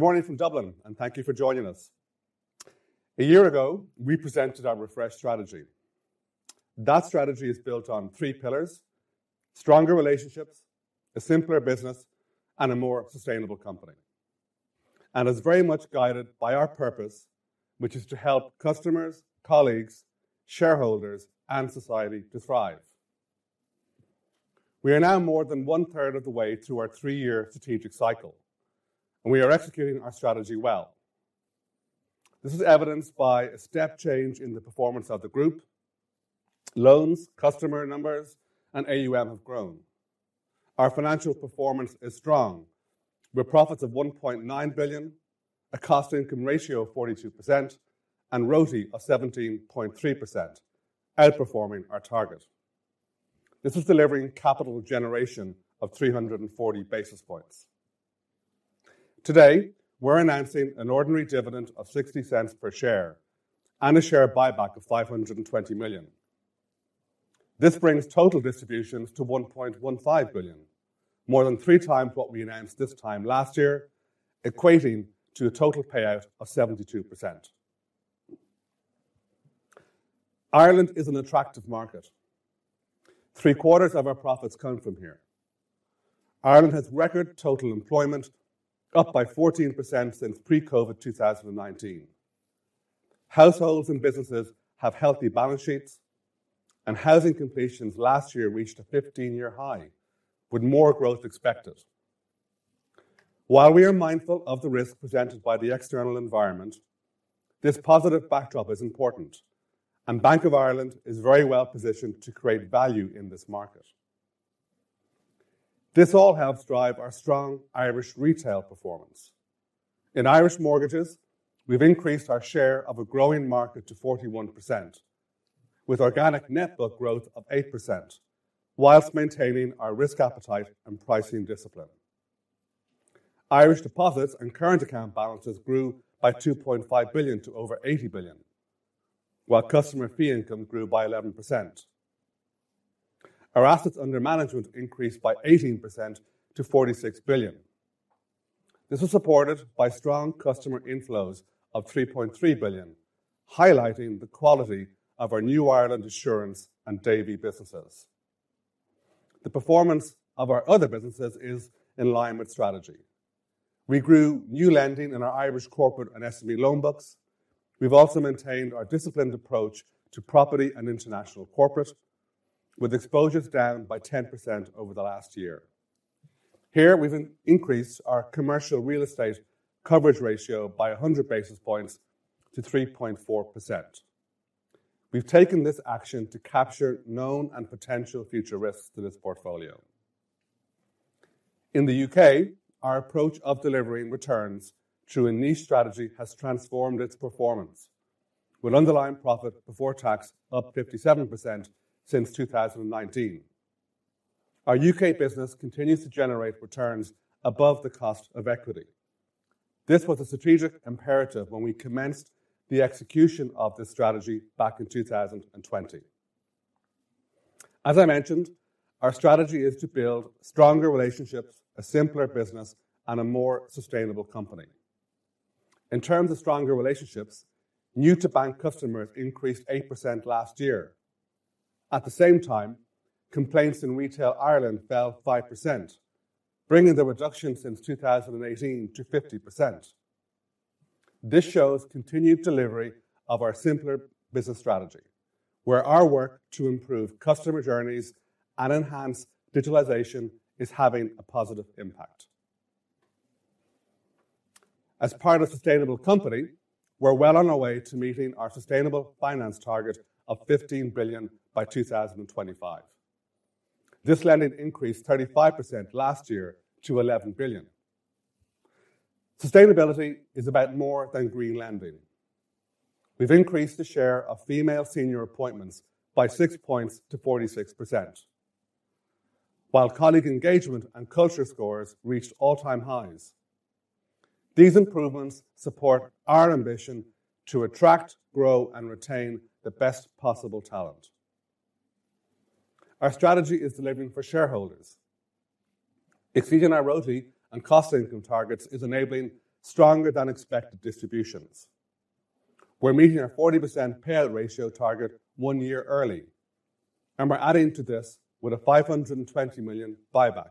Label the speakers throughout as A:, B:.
A: Good morning from Dublin, and thank you for joining us. A year ago, we presented our refresh strategy. That strategy is built on three pillars: stronger relationships, a simpler business, and a more sustainable company. And it's very much guided by our purpose, which is to help customers, colleagues, shareholders, and society to thrive. We are now more than one-third of the way through our three-year strategic cycle, and we are executing our strategy well. This is evidenced by a step change in the performance of the group. Loans, customer numbers, and AUM have grown. Our financial performance is strong. With profits of 1.9 billion, a cost-to-income ratio of 42%, and ROTE of 17.3%, outperforming our target. This is delivering capital generation of 340 basis points. Today, we're announcing an ordinary dividend of 0.60 per share and a share buyback of 520 million. This brings total distributions to 1.15 billion, more than 3 times what we announced this time last year, equating to a total payout of 72%. Ireland is an attractive market. Three-quarters of our profits come from here. Ireland has record total employment, up by 14% since pre-COVID 2019. Households and businesses have healthy balance sheets, and housing completions last year reached a 15-year high, with more growth expected. While we are mindful of the risks presented by the external environment, this positive backdrop is important, and Bank of Ireland is very well positioned to create value in this market. This all helps drive our strong Irish retail performance. In Irish mortgages, we've increased our share of a growing market to 41%, with organic net book growth of 8%, while maintaining our risk appetite and pricing discipline. Irish deposits and current account balances grew by 2.5 billion to over 80 billion, while customer fee income grew by 11%. Our assets under management increased by 18% to 46 billion. This was supported by strong customer inflows of 3.3 billion, highlighting the quality of our New Ireland Assurance and Davy businesses. The performance of our other businesses is in line with strategy. We grew new lending in our Irish corporate and SME loan books. We've also maintained our disciplined approach to property and international corporate, with exposures down by 10% over the last year. Here, we've increased our commercial real estate coverage ratio by 100 basis points to 3.4%. We've taken this action to capture known and potential future risks to this portfolio. In the U.K., our approach of delivering returns through a niche strategy has transformed its performance, with underlying profit before tax up 57% since 2019. Our UK business continues to generate returns above the cost of equity. This was a strategic imperative when we commenced the execution of this strategy back in 2020. As I mentioned, our strategy is to build stronger relationships, a simpler business, and a more sustainable company. In terms of stronger relationships, new-to-bank customers increased 8% last year. At the same time, complaints in Retail Ireland fell 5%, bringing the reduction since 2018 to 50%. This shows continued delivery of our simpler business strategy, where our work to improve customer journeys and enhance digitalization is having a positive impact. As part of a sustainable company, we're well on our way to meeting our sustainable finance target of 15 billion by 2025. This lending increased 35% last year to 11 billion. Sustainability is about more than green lending. We've increased the share of female senior appointments by 6 points to 46%, while colleague engagement and culture scores reached all-time highs. These improvements support our ambition to attract, grow, and retain the best possible talent. Our strategy is delivering for shareholders. Exceeding our ROTI and cost-to-income targets is enabling stronger-than-expected distributions. We're meeting our 40% payout ratio target one year early, and we're adding to this with a 520 million buyback,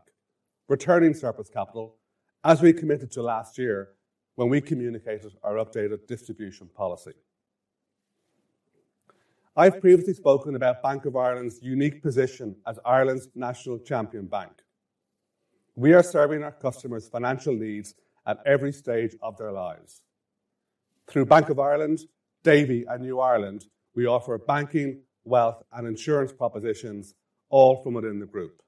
A: returning surplus capital as we committed to last year when we communicated our updated distribution policy. I've previously spoken about Bank of Ireland's unique position as Ireland's national champion bank. We are serving our customers' financial needs at every stage of their lives. Through Bank of Ireland, Davy, and New Ireland, we offer banking, wealth, and insurance propositions, all from within the group.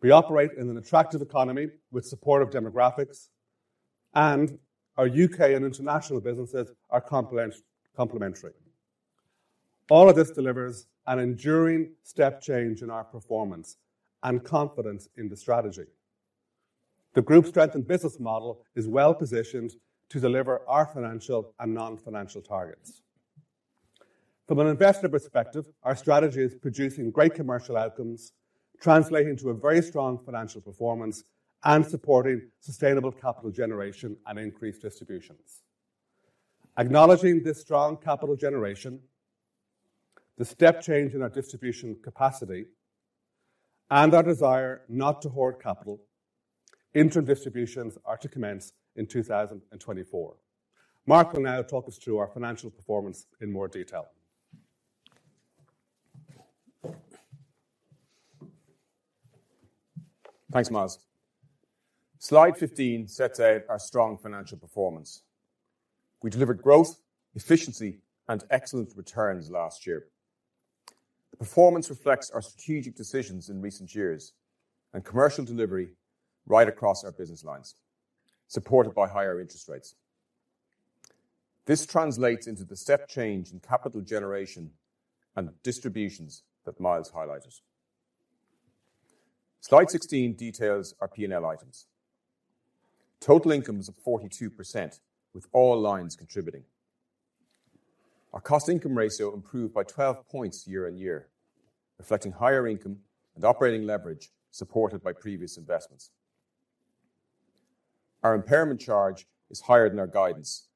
A: We operate in an attractive economy with supportive demographics, and our UK and international businesses are complementary. All of this delivers an enduring step change in our performance and confidence in the strategy. The group's strengthened business model is well positioned to deliver our financial and non-financial targets. From an investor perspective, our strategy is producing great commercial outcomes, translating to a very strong financial performance, and supporting sustainable capital generation and increased distributions. Acknowledging this strong capital generation, the step change in our distribution capacity, and our desire not to hoard capital, interim distributions are to commence in 2024. Mark will now talk us through our financial performance in more detail.
B: Thanks, Myles. Slide 15 sets out our strong financial performance. We delivered growth, efficiency, and excellent returns last year. The performance reflects our strategic decisions in recent years and commercial delivery right across our business lines, supported by higher interest rates. This translates into the step change in capital generation and distributions that Myles highlighted. Slide 16 details our P&L items. Total income was up 42%, with all lines contributing. Our cost-income ratio improved by 12 points year-over-year, reflecting higher income and operating leverage supported by previous investments. Our impairment charge is higher than our guidance.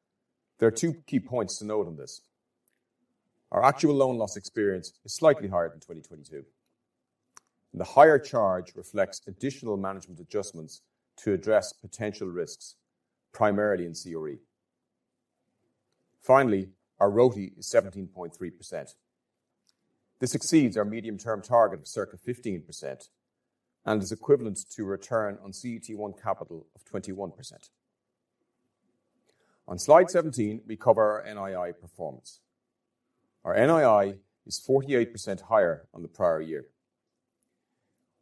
B: There are two key points to note on this. Our actual loan loss experience is slightly higher than 2022, and the higher charge reflects additional management adjustments to address potential risks, primarily in CRE. Finally, our ROTI is 17.3%. This exceeds our medium-term target of circa 15% and is equivalent to a return on CET1 capital of 21%. On Slide 17, we cover our NII performance. Our NII is 48% higher than the prior year.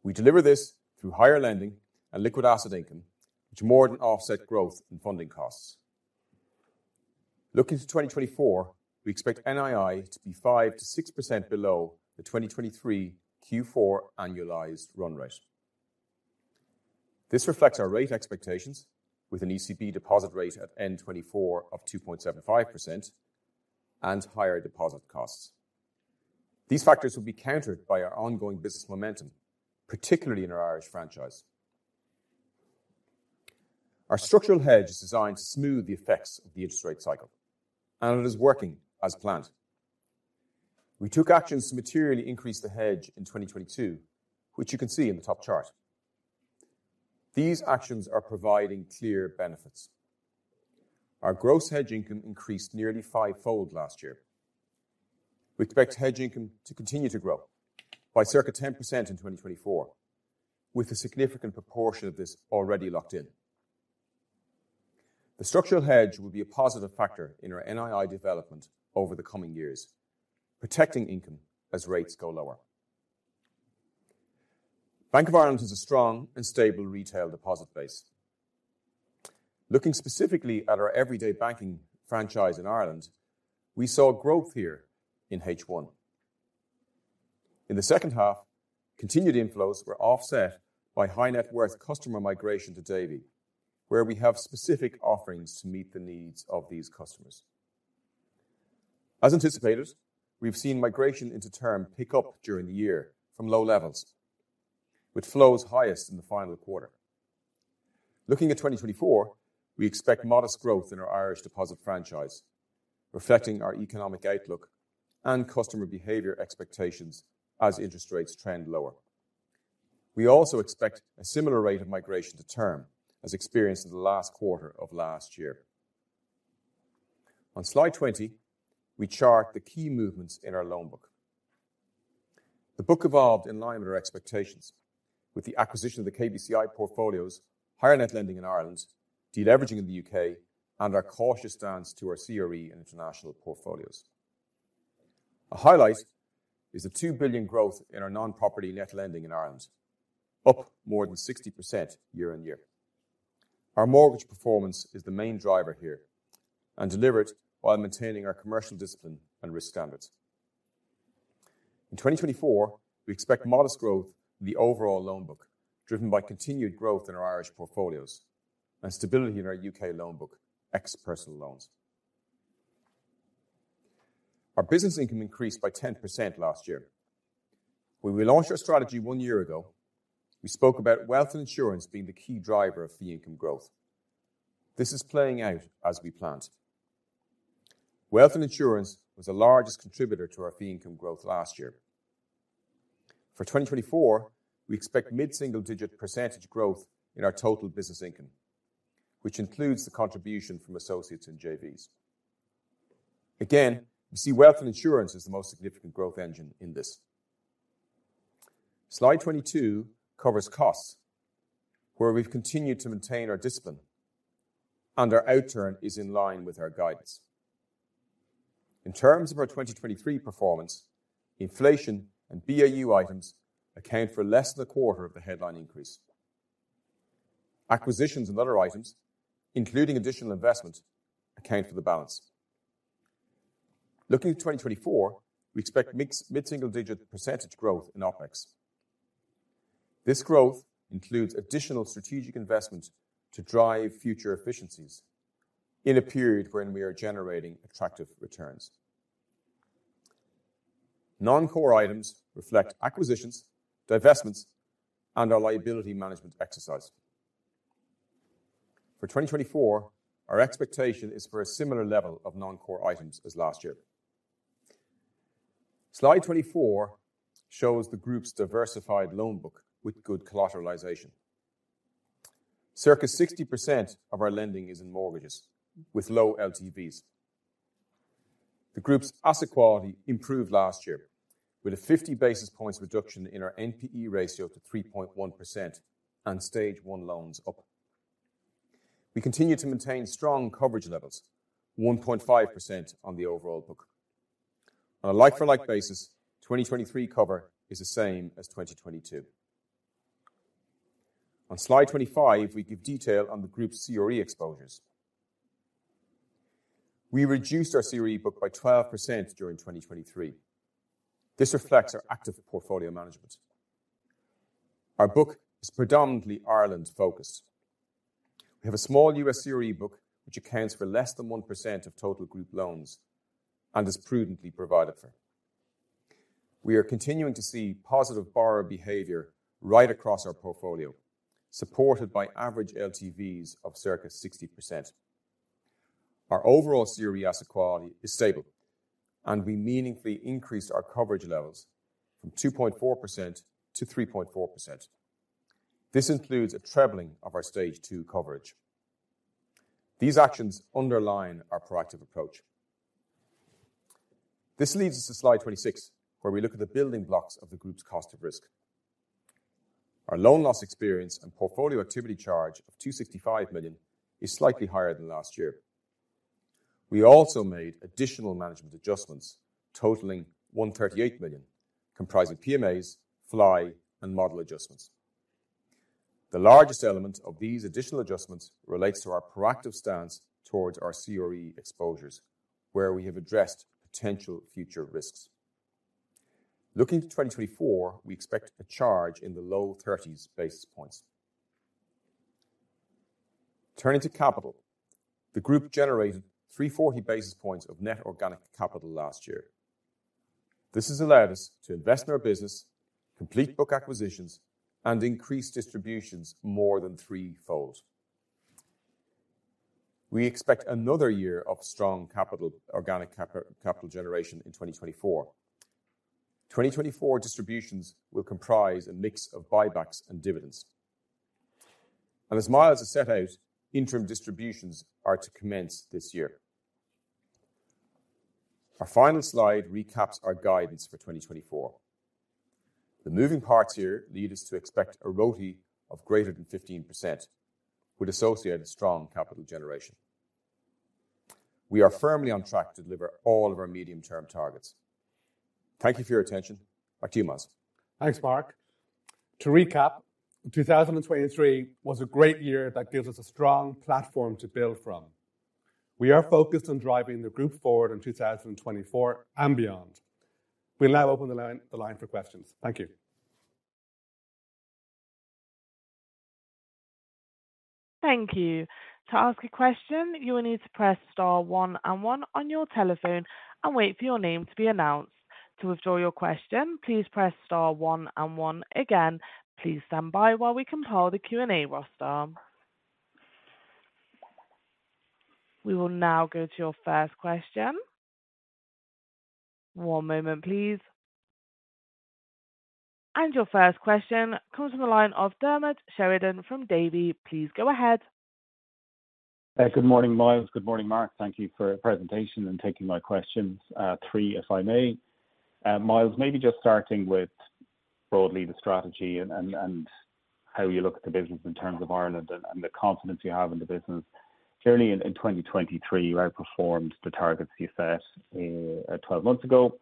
B: We deliver this through higher lending and liquid asset income, which more than offset growth and funding costs. Looking to 2024, we expect NII to be 5%-6% below the 2023 Q4 annualized run rate. This reflects our rate expectations, with an ECB deposit rate at end 2024 of 2.75% and higher deposit costs. These factors will be countered by our ongoing business momentum, particularly in our Irish franchise. Our structural hedge is designed to smooth the effects of the interest rate cycle, and it is working as planned. We took actions to materially increase the hedge in 2022, which you can see in the top chart. These actions are providing clear benefits. Our gross hedge income increased nearly five-fold last year. We expect hedge income to continue to grow by circa 10% in 2024, with a significant proportion of this already locked in. The structural hedge will be a positive factor in our NII development over the coming years, protecting income as rates go lower. Bank of Ireland has a strong and stable retail deposit base. Looking specifically at our everyday banking franchise in Ireland, we saw growth here in H1. In the second half, continued inflows were offset by high-net-worth customer migration to Davy, where we have specific offerings to meet the needs of these customers. As anticipated, we've seen migration into term pick up during the year from low levels, with flows highest in the final quarter. Looking at 2024, we expect modest growth in our Irish deposit franchise, reflecting our economic outlook and customer behavior expectations as interest rates trend lower. We also expect a similar rate of migration to term, as experienced in the last quarter of last year. On Slide 20, we chart the key movements in our loan book. The book evolved in line with our expectations, with the acquisition of the KBCI portfolios, higher net lending in Ireland, deleveraging in the U.K., and our cautious stance to our CRE and international portfolios. A highlight is the 2 billion growth in our non-property net lending in Ireland, up more than 60% year-on-year. Our mortgage performance is the main driver here, and deliver it while maintaining our commercial discipline and risk standards. In 2024, we expect modest growth in the overall loan book, driven by continued growth in our Irish portfolios, and stability in our UK loan book, ex-personal loans. Our business income increased by 10% last year. When we launched our strategy one year ago, we spoke about wealth and insurance being the key driver of fee income growth. This is playing out as we planned. Wealth and insurance was the largest contributor to our fee income growth last year. For 2024, we expect mid-single-digit % growth in our total business income, which includes the contribution from associates and JVs. Again, we see wealth and insurance as the most significant growth engine in this. Slide 22 covers costs, where we've continued to maintain our discipline, and our outturn is in line with our guidance. In terms of our 2023 performance, inflation and BAU items account for less than a quarter of the headline increase. Acquisitions and other items, including additional investment, account for the balance. Looking to 2024, we expect mid-single-digit percentage growth in OpEx. This growth includes additional strategic investment to drive future efficiencies in a period when we are generating attractive returns. Non-core items reflect acquisitions, divestments, and our liability management exercise. For 2024, our expectation is for a similar level of non-core items as last year. Slide 24 shows the group's diversified loan book with good collateralization. Circa 60% of our lending is in mortgages, with low LTVs. The group's asset quality improved last year, with a 50 basis points reduction in our NPE ratio to 3.1% and Stage 1 loans up. We continue to maintain strong coverage levels, 1.5% on the overall book. On a like-for-like basis, 2023 cover is the same as 2022. On Slide 25, we give detail on the group's CRE exposures. We reduced our CRE book by 12% during 2023. This reflects our active portfolio management. Our book is predominantly Ireland-focused. We have a small US CRE book, which accounts for less than 1% of total group loans, and is prudently provided for. We are continuing to see positive borrower behavior right across our portfolio, supported by average LTVs of circa 60%. Our overall CRE asset quality is stable, and we meaningfully increased our coverage levels from 2.4% to 3.4%. This includes a trebling of our Stage 2 coverage. These actions underline our proactive approach. This leads us to Slide 26, where we look at the building blocks of the group's cost of risk. Our loan loss experience and portfolio activity charge of 265 million is slightly higher than last year. We also made additional management adjustments, totaling 138 million, comprising PMAs, FLI, and model adjustments. The largest element of these additional adjustments relates to our proactive stance towards our CRE exposures, where we have addressed potential future risks. Looking to 2024, we expect a charge in the low 30s basis points. Turning to capital, the group generated 340 basis points of net organic capital last year. This has allowed us to invest in our business, complete book acquisitions, and increase distributions more than three-fold. We expect another year of strong capital organic capital generation in 2024. 2024 distributions will comprise a mix of buybacks and dividends. As Myles has set out, interim distributions are to commence this year. Our final slide recaps our guidance for 2024. The moving parts here lead us to expect a ROTI of greater than 15%, with associated strong capital generation. We are firmly on track to deliver all of our medium-term targets. Thank you for your attention. Back to you, Myles.
A: Thanks, Mark. To recap, 2023 was a great year that gives us a strong platform to build from. We are focused on driving the group forward in 2024 and beyond. We'll now open the line for questions. Thank you.
C: Thank you. To ask a question, you will need to press star one and one on your telephone and wait for your name to be announced. To withdraw your question, please press star one and one again. Please stand by while we compile the Q&A roster. We will now go to your first question. One moment, please. Your first question comes from the line of Diarmaid Sheridan from Davy. Please go ahead.
D: Good morning, Myles. Good morning, Mark. Thank you for a presentation and taking my questions, three, if I may. Myles, maybe just starting with broadly the strategy and how you look at the business in terms of Ireland and the confidence you have in the business. Clearly, in 2023, you outperformed the targets you set 12 months ago.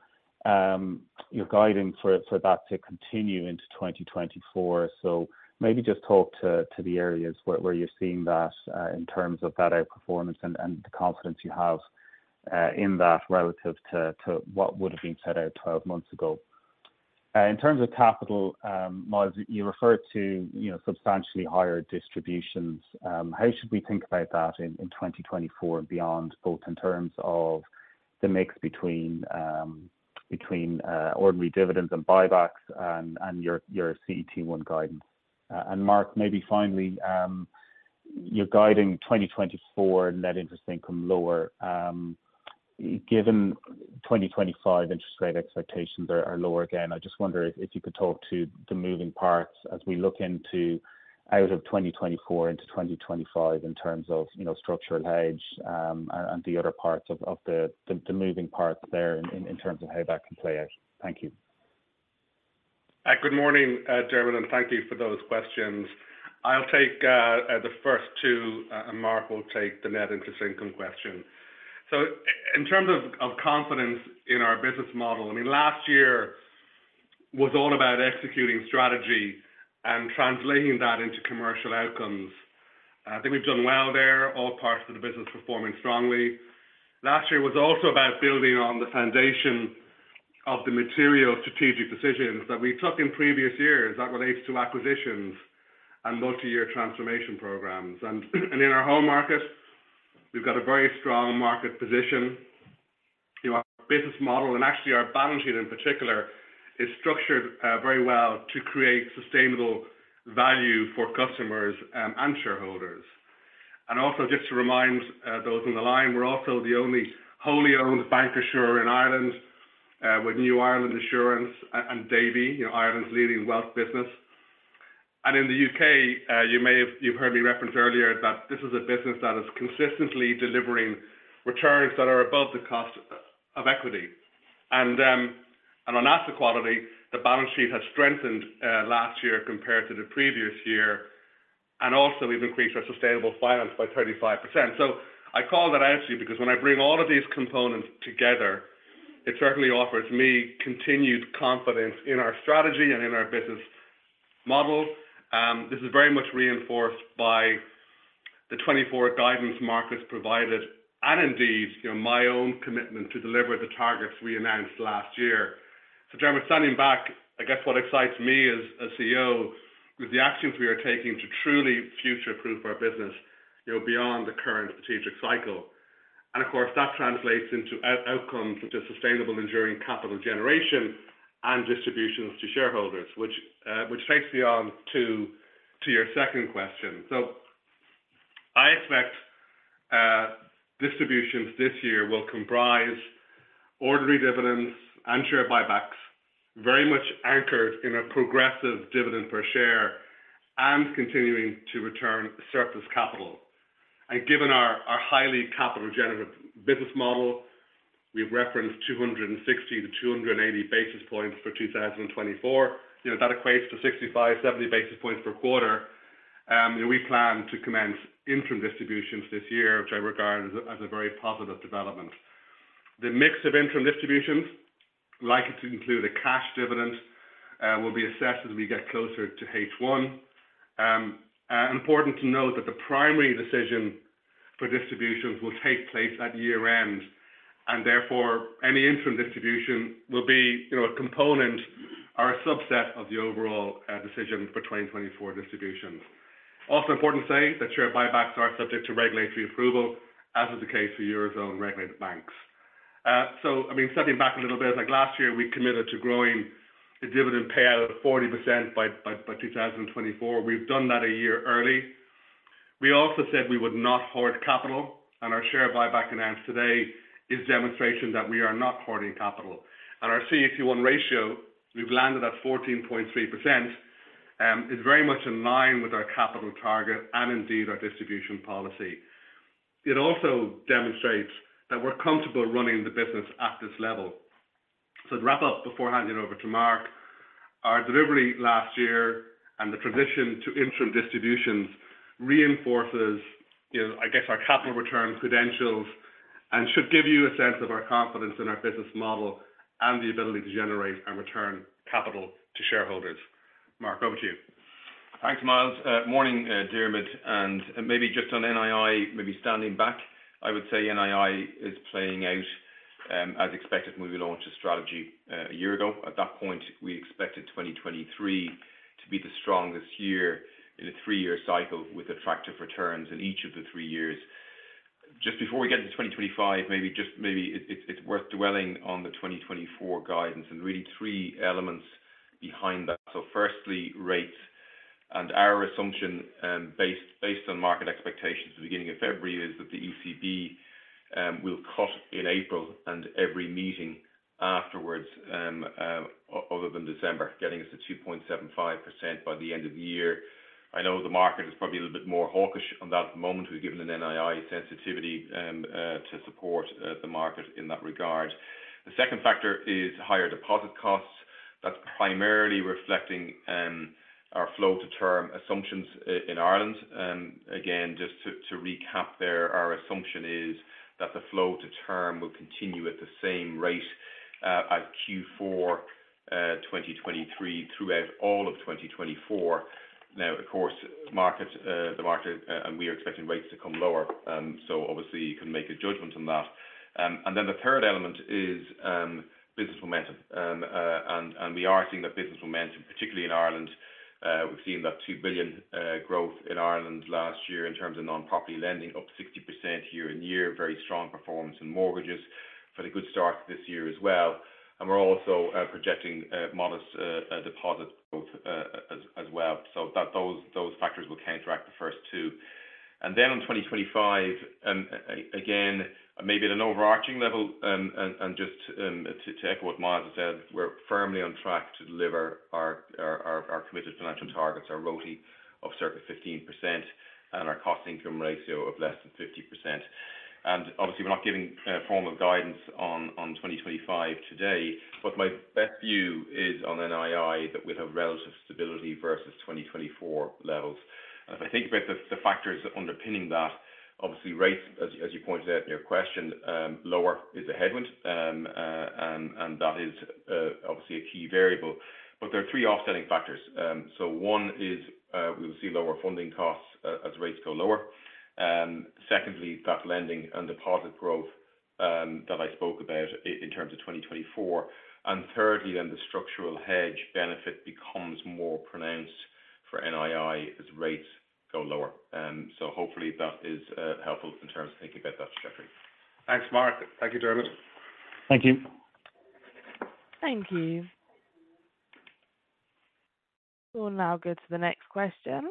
D: You're guiding for that to continue into 2024. So maybe just talk to the areas where you're seeing that in terms of that outperformance and the confidence you have in that relative to what would have been set out 12 months ago. In terms of capital, Myles, you referred to substantially higher distributions. How should we think about that in 2024 and beyond, both in terms of the mix between ordinary dividends and buybacks and your CET1 guidance? And Mark, maybe finally, you're guiding 2024 net interest income lower. Given 2025 interest rate expectations are lower again, I just wonder if you could talk to the moving parts as we look into out of 2024 into 2025 in terms of structural hedge and the other parts of the moving parts there in terms of how that can play out? Thank you.
A: Good morning, Diarmaid, and thank you for those questions. I'll take the first two, and Mark will take the net interest income question. So in terms of confidence in our business model, I mean, last year was all about executing strategy and translating that into commercial outcomes. I think we've done well there. All parts of the business performing strongly. Last year was also about building on the foundation of the material strategic decisions that we took in previous years that relates to acquisitions and multi-year transformation programs. And in our home market, we've got a very strong market position. Our business model, and actually our balance sheet in particular, is structured very well to create sustainable value for customers and shareholders. Also, just to remind those on the line, we're also the only wholly owned bank assurer in Ireland with New Ireland Assurance and Davy, Ireland's leading wealth business. In the U.K., you've heard me reference earlier that this is a business that is consistently delivering returns that are above the cost of equity. On asset quality, the balance sheet has strengthened last year compared to the previous year. We've increased our sustainable finance by 35%. So I call that out to you because when I bring all of these components together, it certainly offers me continued confidence in our strategy and in our business model. This is very much reinforced by the 2024 guidance Mark has provided and indeed my own commitment to deliver the targets we announced last year. So Dermot, circling back, I guess what excites me as CEO with the actions we are taking to truly future-proof our business beyond the current strategic cycle. Of course, that translates into outcomes such as sustainable, enduring capital generation and distributions to shareholders, which takes me on to your second question. I expect distributions this year will comprise ordinary dividends and share buybacks, very much anchored in a progressive dividend per share and continuing to return surplus capital. Given our highly capital-generative business model, we've referenced 260-280 basis points for 2024. That equates to 65-70 basis points per quarter. We plan to commence interim distributions this year, which I regard as a very positive development. The mix of interim distributions, I'd like it to include a cash dividend, will be assessed as we get closer to H1. Important to note that the primary decision for distributions will take place at year-end. And therefore, any interim distribution will be a component or a subset of the overall decision for 2024 distributions. Also, important to say that share buybacks are subject to regulatory approval, as is the case for your own regulated banks. So I mean, stepping back a little bit, like last year, we committed to growing the dividend payout of 40% by 2024. We've done that a year early. We also said we would not hoard capital. And our share buyback announced today is a demonstration that we are not hoarding capital. And our CET1 ratio, we've landed at 14.3%, is very much in line with our capital target and indeed our distribution policy. It also demonstrates that we're comfortable running the business at this level. To wrap up before handing it over to Mark, our delivery last year and the transition to interim distributions reinforces, I guess, our capital return credentials and should give you a sense of our confidence in our business model and the ability to generate and return capital to shareholders. Mark, over to you.
B: Thanks, Myles. Morning, Diarmaid. Maybe just on NII, maybe standing back, I would say NII is playing out as expected when we launched the strategy a year ago. At that point, we expected 2023 to be the strongest year in a three-year cycle with attractive returns in each of the three years. Just before we get into 2025, maybe it's worth dwelling on the 2024 guidance and really three elements behind that. Firstly, rates. Our assumption based on market expectations at the beginning of February is that the ECB will cut in April and every meeting afterwards other than December, getting us to 2.75% by the end of the year. I know the market is probably a little bit more hawkish on that at the moment. We've given an NII sensitivity to support the market in that regard. The second factor is higher deposit costs. That's primarily reflecting our flow-to-term assumptions in Ireland. Again, just to recap there, our assumption is that the flow-to-term will continue at the same rate as Q4 2023 throughout all of 2024. Now, of course, the market and we are expecting rates to come lower. So obviously, you couldn't make a judgment on that. And then the third element is business momentum. And we are seeing that business momentum, particularly in Ireland. We've seen that 2 billion growth in Ireland last year in terms of nonproperty lending, up 60% year-on-year, very strong performance in mortgages for the good start this year as well. And we're also projecting modest deposit growth as well. So those factors will counteract the first two. Then on 2025, again, maybe at an overarching level and just to echo what Myles has said, we're firmly on track to deliver our committed financial targets, our ROTI of circa 15%, and our cost-income ratio of less than 50%. Obviously, we're not giving formal guidance on 2025 today. But my best view is on NII that we'll have relative stability versus 2024 levels. If I think about the factors underpinning that, obviously, rates, as you pointed out in your question, lower is a headwind. That is obviously a key variable. But there are three offsetting factors. One is we will see lower funding costs as rates go lower. Secondly, that lending and deposit growth that I spoke about in terms of 2024. Thirdly, then the structural hedge benefit becomes more pronounced for NII as rates go lower. Hopefully, that is helpful in terms of thinking about that strategy.
A: Thanks, Mark. Thank you, Diarmaid.
B: Thank you.
C: Thank you. We'll now go to the next question.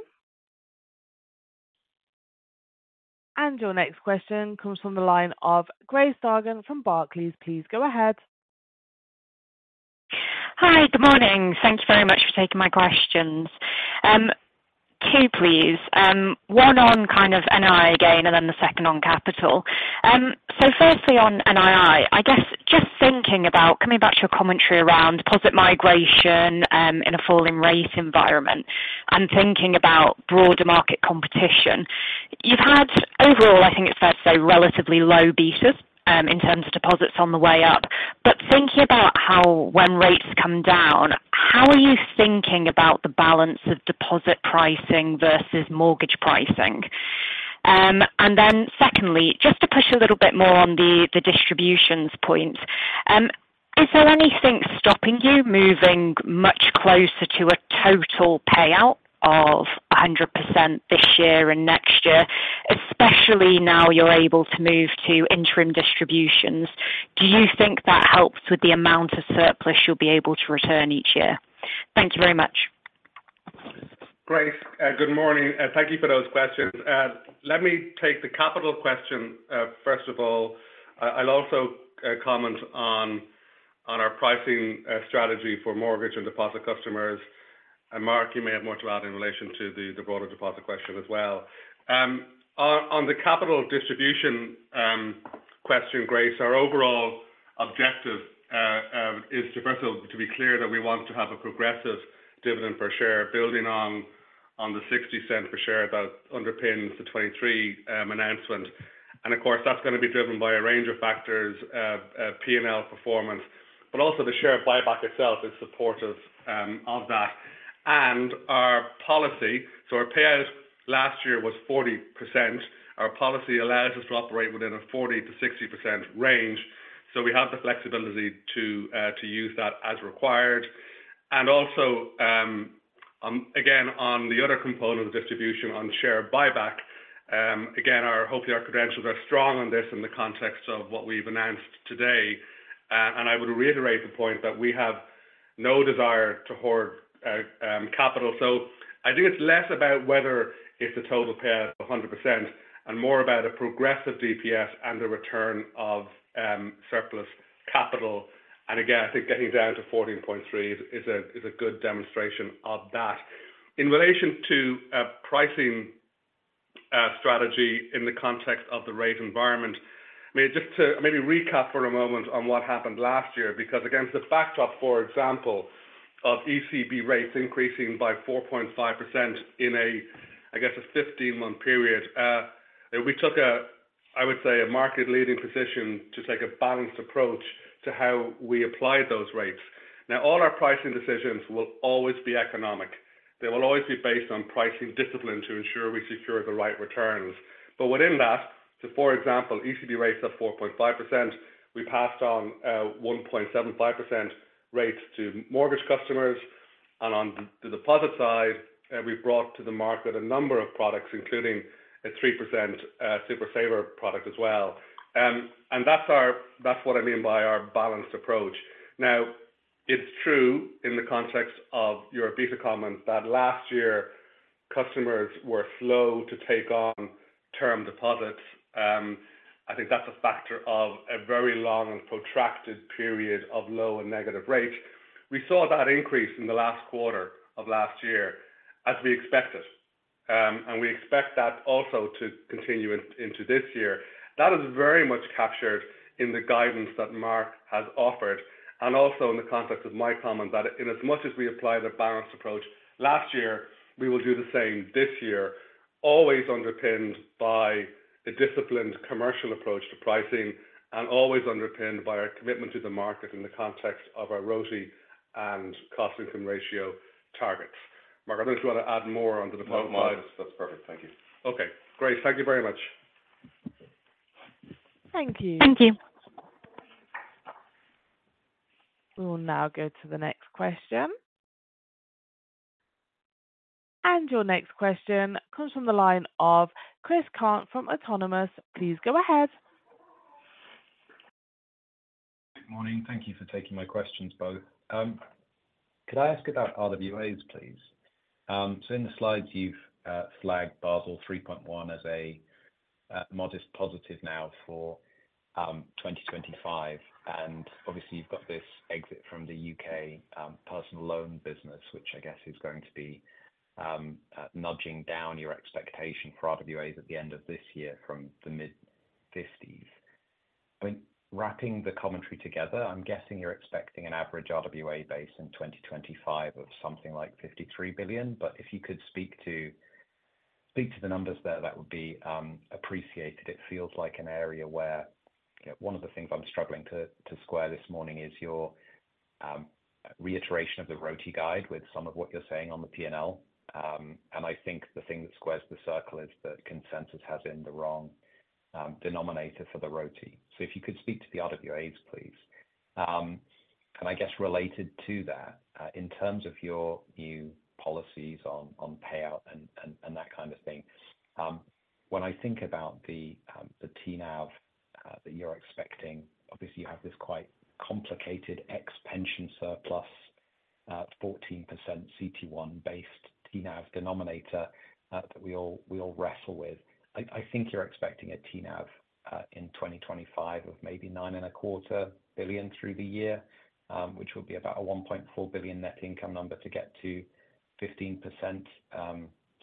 C: Your next question comes from the line of Grace Dargan from Barclays. Please go ahead.
E: Hi. Good morning. Thank you very much for taking my questions. 2, please. 1 on kind of NII again and then the second on capital. So firstly, on NII, I guess just thinking about coming back to your commentary around deposit migration in a falling rate environment and thinking about broader market competition, you've had, overall, I think it's fair to say, relatively low betas in terms of deposits on the way up. But thinking about how when rates come down, how are you thinking about the balance of deposit pricing versus mortgage pricing? And then secondly, just to push a little bit more on the distributions point, is there anything stopping you moving much closer to a total payout of 100% this year and next year, especially now you're able to move to interim distributions? Do you think that helps with the amount of surplus you'll be able to return each year? Thank you very much.
A: Grace, good morning. Thank you for those questions. Let me take the capital question. First of all, I'll also comment on our pricing strategy for mortgage and deposit customers. And Mark, you may have more to add in relation to the broader deposit question as well. On the capital distribution question, Grace, our overall objective is to, first of all, to be clear that we want to have a progressive dividend per share building on the 0.60 per share that underpins the 2023 announcement. And of course, that's going to be driven by a range of factors, P&L performance, but also the share buyback itself is supportive of that. And our policy, so our payout last year was 40%. Our policy allows us to operate within a 40%-60% range. We have the flexibility to use that as required. And also, again, on the other component of the distribution, on share buyback, again, hopefully, our credentials are strong on this in the context of what we've announced today. I would reiterate the point that we have no desire to hoard capital. So I think it's less about whether it's a total payout of 100% and more about a progressive DPS and a return of surplus capital. And again, I think getting down to 14.3 is a good demonstration of that. In relation to pricing strategy in the context of the rate environment, I mean, just to maybe recap for a moment on what happened last year because against the backdrop, for example, of ECB rates increasing by 4.5% in, I guess, a 15-month period, we took, I would say, a market-leading position to take a balanced approach to how we applied those rates. Now, all our pricing decisions will always be economic. They will always be based on pricing discipline to ensure we secure the right returns. But within that, so for example, ECB rates of 4.5%, we passed on 1.75% rates to mortgage customers. And on the deposit side, we've brought to the market a number of products, including a 3% super saver product as well. And that's what I mean by our balanced approach. Now, it's true in the context of your beta comments that last year, customers were slow to take on term deposits. I think that's a factor of a very long and protracted period of low and negative rates. We saw that increase in the last quarter of last year as we expected. And we expect that also to continue into this year. That is very much captured in the guidance that Mark has offered and also in the context of my comments that in as much as we apply the balanced approach last year, we will do the same this year, always underpinned by the disciplined commercial approach to pricing and always underpinned by our commitment to the market in the context of our ROTI and cost income ratio targets. Mark, I don't know if you want to add more on the deposit side.
E: No, that's perfect. Thank you.
A: Okay. Grace, thank you very much.
C: Thank you.
E: Thank you.
C: We will now go to the next question. Your next question comes from the line of Chris Cant from Autonomous. Please go ahead.
F: Good morning. Thank you for taking my questions both. Could I ask about RWAs, please? So in the slides, you've flagged Basel 3.1 as a modest positive now for 2025. And obviously, you've got this exit from the UK personal loan business, which I guess is going to be nudging down your expectation for RWAs at the end of this year from the mid-50s. I mean, wrapping the commentary together, I'm guessing you're expecting an average RWA base in 2025 of something like 53 billion. But if you could speak to the numbers there, that would be appreciated. It feels like an area where one of the things I'm struggling to square this morning is your reiteration of the ROTI guide with some of what you're saying on the P&L. And I think the thing that squares the circle is that consensus has in the wrong denominator for the ROTI. So if you could speak to the RWAs, please. I guess related to that, in terms of your new policies on payout and that kind of thing, when I think about the TNAV that you're expecting, obviously, you have this quite complicated ex-pension surplus, 14% CET1-based TNAV denominator that we all wrestle with. I think you're expecting a TNAV in 2025 of maybe 9.25 billion through the year, which will be about a 1.4 billion net income number to get to 15%.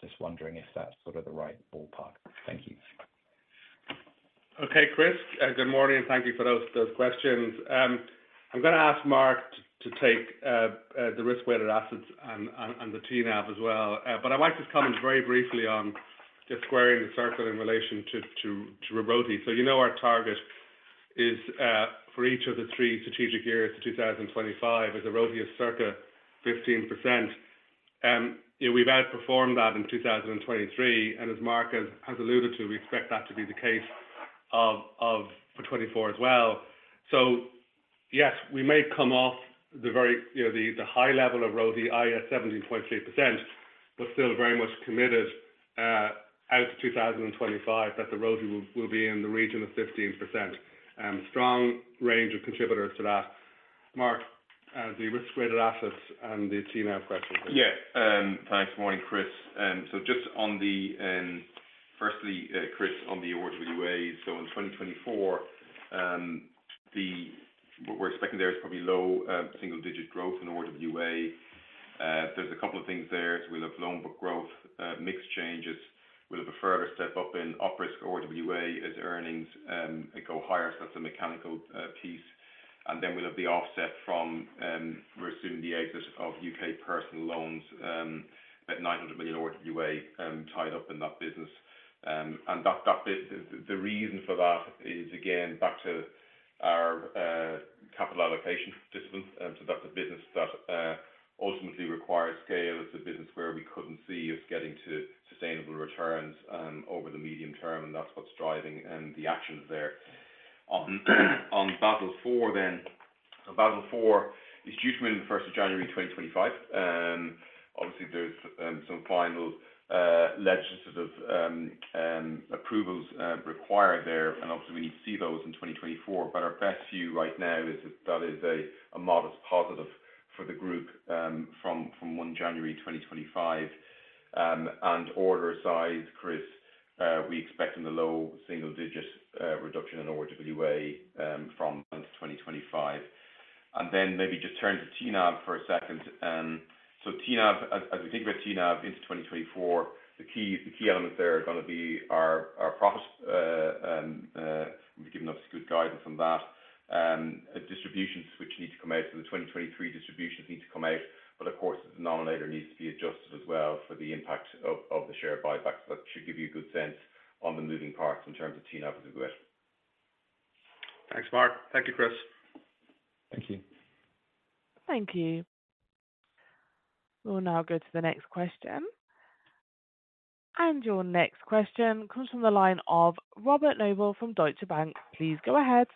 F: Just wondering if that's sort of the right ballpark. Thank you.
A: Okay, Chris. Good morning. Thank you for those questions. I'm going to ask Mark to take the risk-weighted assets and the TNAV as well. But I might just comment very briefly on just squaring the circle in relation to ROTI. So you know our target is for each of the three strategic years, 2025, is a ROTI of circa 15%. We've outperformed that in 2023. And as Mark has alluded to, we expect that to be the case for 2024 as well. So yes, we may come off the high level of ROTI, i.e., at 17.3%, but still very much committed out to 2025 that the ROTI will be in the region of 15%. Strong range of contributors to that. Mark, the risk-weighted assets and the TNAV question, please.
B: Yeah. Thanks. Morning, Chris. So just on the firstly, Chris, on the RWAs, so in 2024, what we're expecting there is probably low single-digit growth in RWA. There's a couple of things there. So we'll have loan book growth, mix changes. We'll have a further step up in up-risk RWA as earnings go higher. So that's a mechanical piece. And then we'll have the offset from, we're assuming, the exit of UK personal loans at 900 million RWA tied up in that business. And the reason for that is, again, back to our capital allocation discipline. So that's a business that ultimately requires scale. It's a business where we couldn't see us getting to sustainable returns over the medium term. And that's what's driving the actions there. On Basel 4 then, so Basel 4 is due to be in the 1st of January, 2025. Obviously, there's some final legislative approvals required there. And obviously, we need to see those in 2024. But our best view right now is that that is a modest positive for the group from 1 January 2025. And order size, Chris, we expect in the low single-digit reduction in RWA from 2025. And then maybe just turn to TNAV for a second. So as we think about TNAV into 2024, the key elements there are going to be our profits. We've given, obviously, good guidance on that. Distributions which need to come out, so the 2023 distributions need to come out. But of course, the denominator needs to be adjusted as well for the impact of the share buyback. So that should give you a good sense on the moving parts in terms of TNAV as we go.
A: Thanks, Mark. Thank you, Chris.
B: Thank you.
C: Thank you. We'll now go to the next question. Your next question comes from the line of Robert Noble from Deutsche Bank. Please go ahead.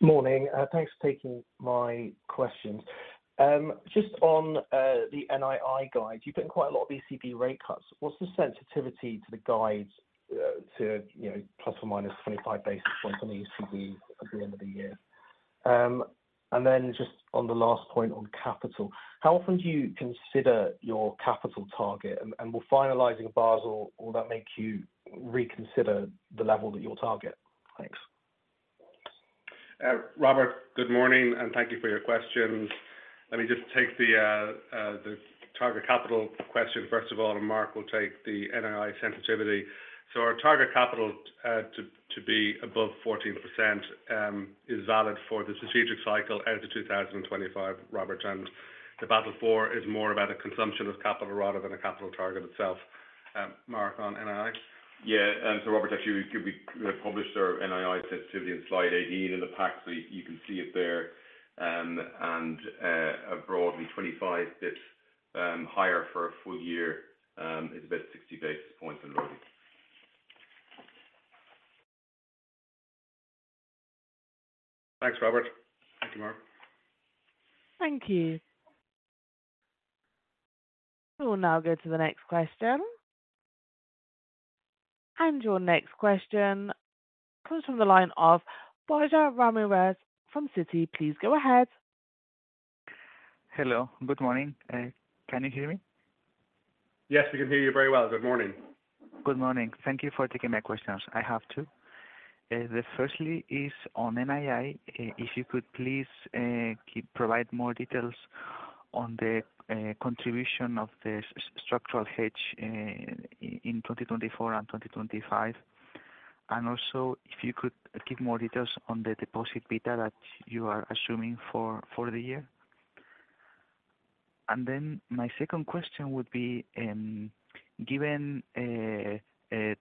G: Morning. Thanks for taking my questions. Just on the NII guide, you've put in quite a lot of ECB rate cuts. What's the sensitivity to the guides to plus or minus 25 basis points on the ECB at the end of the year? And then just on the last point on capital, how often do you consider your capital target? And will finalizing Basel, will that make you reconsider the level that you'll target? Thanks.
A: Robert, good morning. Thank you for your questions. Let me just take the target capital question, first of all. Mark will take the NII sensitivity. Our target capital to be above 14% is valid for the strategic cycle out to 2025, Robert. The Basel 4 is more about a consumption of capital rather than a capital target itself. Mark, on NII?
B: Yeah. So Robert, actually, we published our NII sensitivity in slide 18 in the pack. So you can see it there. And broadly, 25 bps higher for a full year is about 60 basis points on ROTI.
A: Thanks, Robert.
G: Thank you, Mark.
C: Thank you. We will now go to the next question. Your next question comes from the line of Borja Ramirez from Citi. Please go ahead.
H: Hello. Good morning. Can you hear me?
A: Yes, we can hear you very well. Good morning.
H: Good morning. Thank you for taking my questions. I have two. The firstly is on NII, if you could please provide more details on the contribution of the structural hedge in 2024 and 2025. And also, if you could give more details on the deposit beta that you are assuming for the year. And then my second question would be, given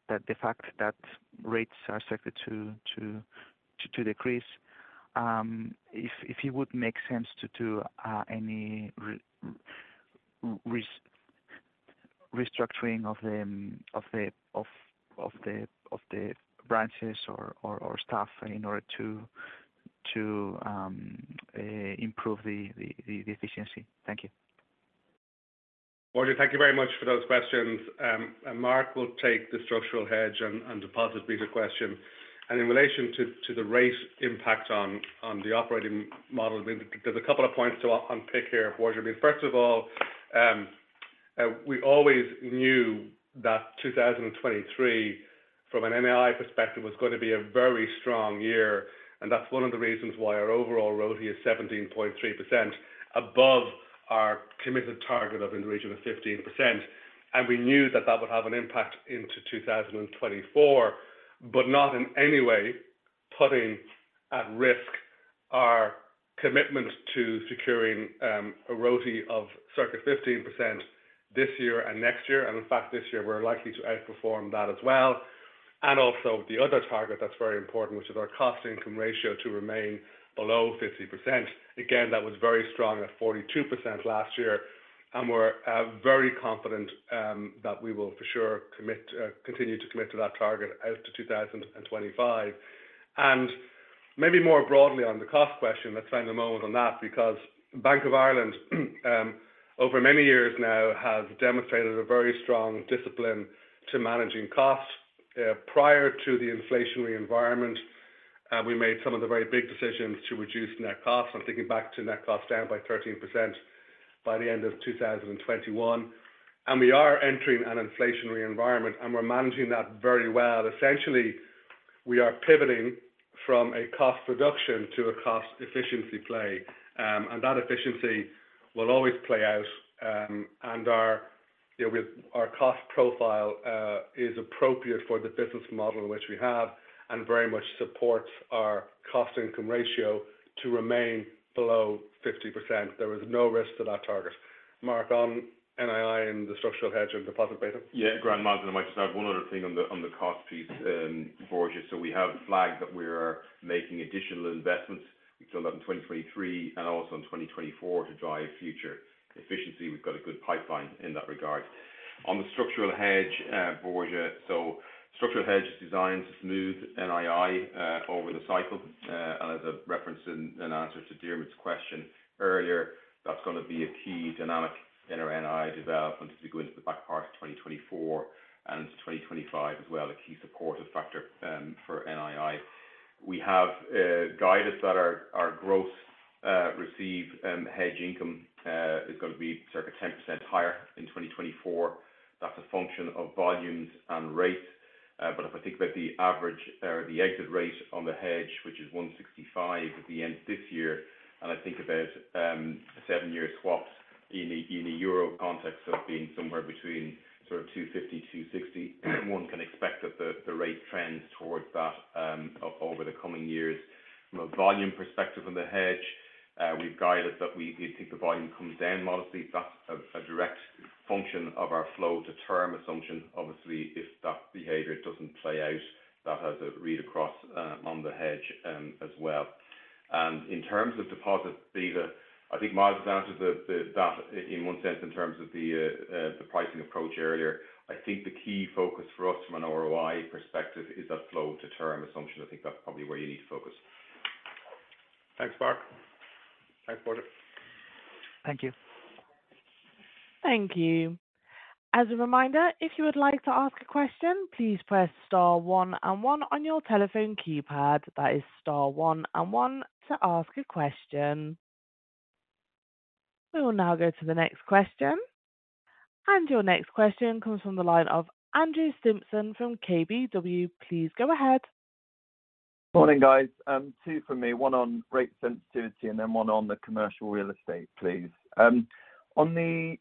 H: the fact that rates are expected to decrease, if it would make sense to do any restructuring of the branches or staff in order to improve the efficiency. Thank you.
A: Borja, thank you very much for those questions. And Mark will take the structural hedge and deposit beta question. And in relation to the rate impact on the operating model, there's a couple of points to unpick here, Borja. I mean, first of all, we always knew that 2023, from an NII perspective, was going to be a very strong year. And that's one of the reasons why our overall ROTI is 17.3% above our committed target of in the region of 15%. And we knew that that would have an impact into 2024, but not in any way putting at risk our commitment to securing a ROTI of circa 15% this year and next year. And in fact, this year, we're likely to outperform that as well. And also, the other target that's very important, which is our cost income ratio, to remain below 50%. Again, that was very strong at 42% last year. We're very confident that we will for sure continue to commit to that target out to 2025. Maybe more broadly on the cost question, let's spend a moment on that because Bank of Ireland, over many years now, has demonstrated a very strong discipline to managing costs. Prior to the inflationary environment, we made some of the very big decisions to reduce net costs. I'm thinking back to net costs down by 13% by the end of 2021. We are entering an inflationary environment. We're managing that very well. Essentially, we are pivoting from a cost reduction to a cost efficiency play. That efficiency will always play out. Our cost profile is appropriate for the business model which we have and very much supports our cost income ratio to remain below 50%. There is no risk to that target. Mark, on NII and the structural hedge and deposit beta?
B: Yeah. Grand, Myles. And I might just add one other thing on the cost piece, Borja. So we have flagged that we are making additional investments. We've done that in 2023 and also in 2024 to drive future efficiency. We've got a good pipeline in that regard. On the structural hedge, Borja, so structural hedge is designed to smooth NII over the cycle. And as a reference and answer to Dermot's question earlier, that's going to be a key dynamic in our NII development as we go into the back part of 2024 and into 2025 as well, a key supportive factor for NII. We have guidance that our gross received hedge income is going to be circa 10% higher in 2024. That's a function of volumes and rates. But if I think about the average or the exit rate on the hedge, which is 165 at the end of this year, and I think about seven-year swaps in the euro context of being somewhere between sort of 250, 260, one can expect that the rate trends towards that over the coming years. From a volume perspective on the hedge, we've guided that we think the volume comes down modestly. That's a direct function of our flow-to-term assumption. Obviously, if that behaviour doesn't play out, that has a read across on the hedge as well. And in terms of deposit beta, I think Myles has answered that in one sense in terms of the pricing approach earlier. I think the key focus for us from an ROI perspective is that flow-to-term assumption. I think that's probably where you need to focus.
A: Thanks, Mark. Thanks, Borja.
H: Thank you.
C: Thank you. As a reminder, if you would like to ask a question, please press star 1 and 1 on your telephone keypad. That is star one and one to ask a question. We will now go to the next question. Your next question comes from the line of Andrew Stimpson from KBW. Please go ahead.
I: Morning, guys. Two from me, one on rate sensitivity and then one on the commercial real estate, please. On the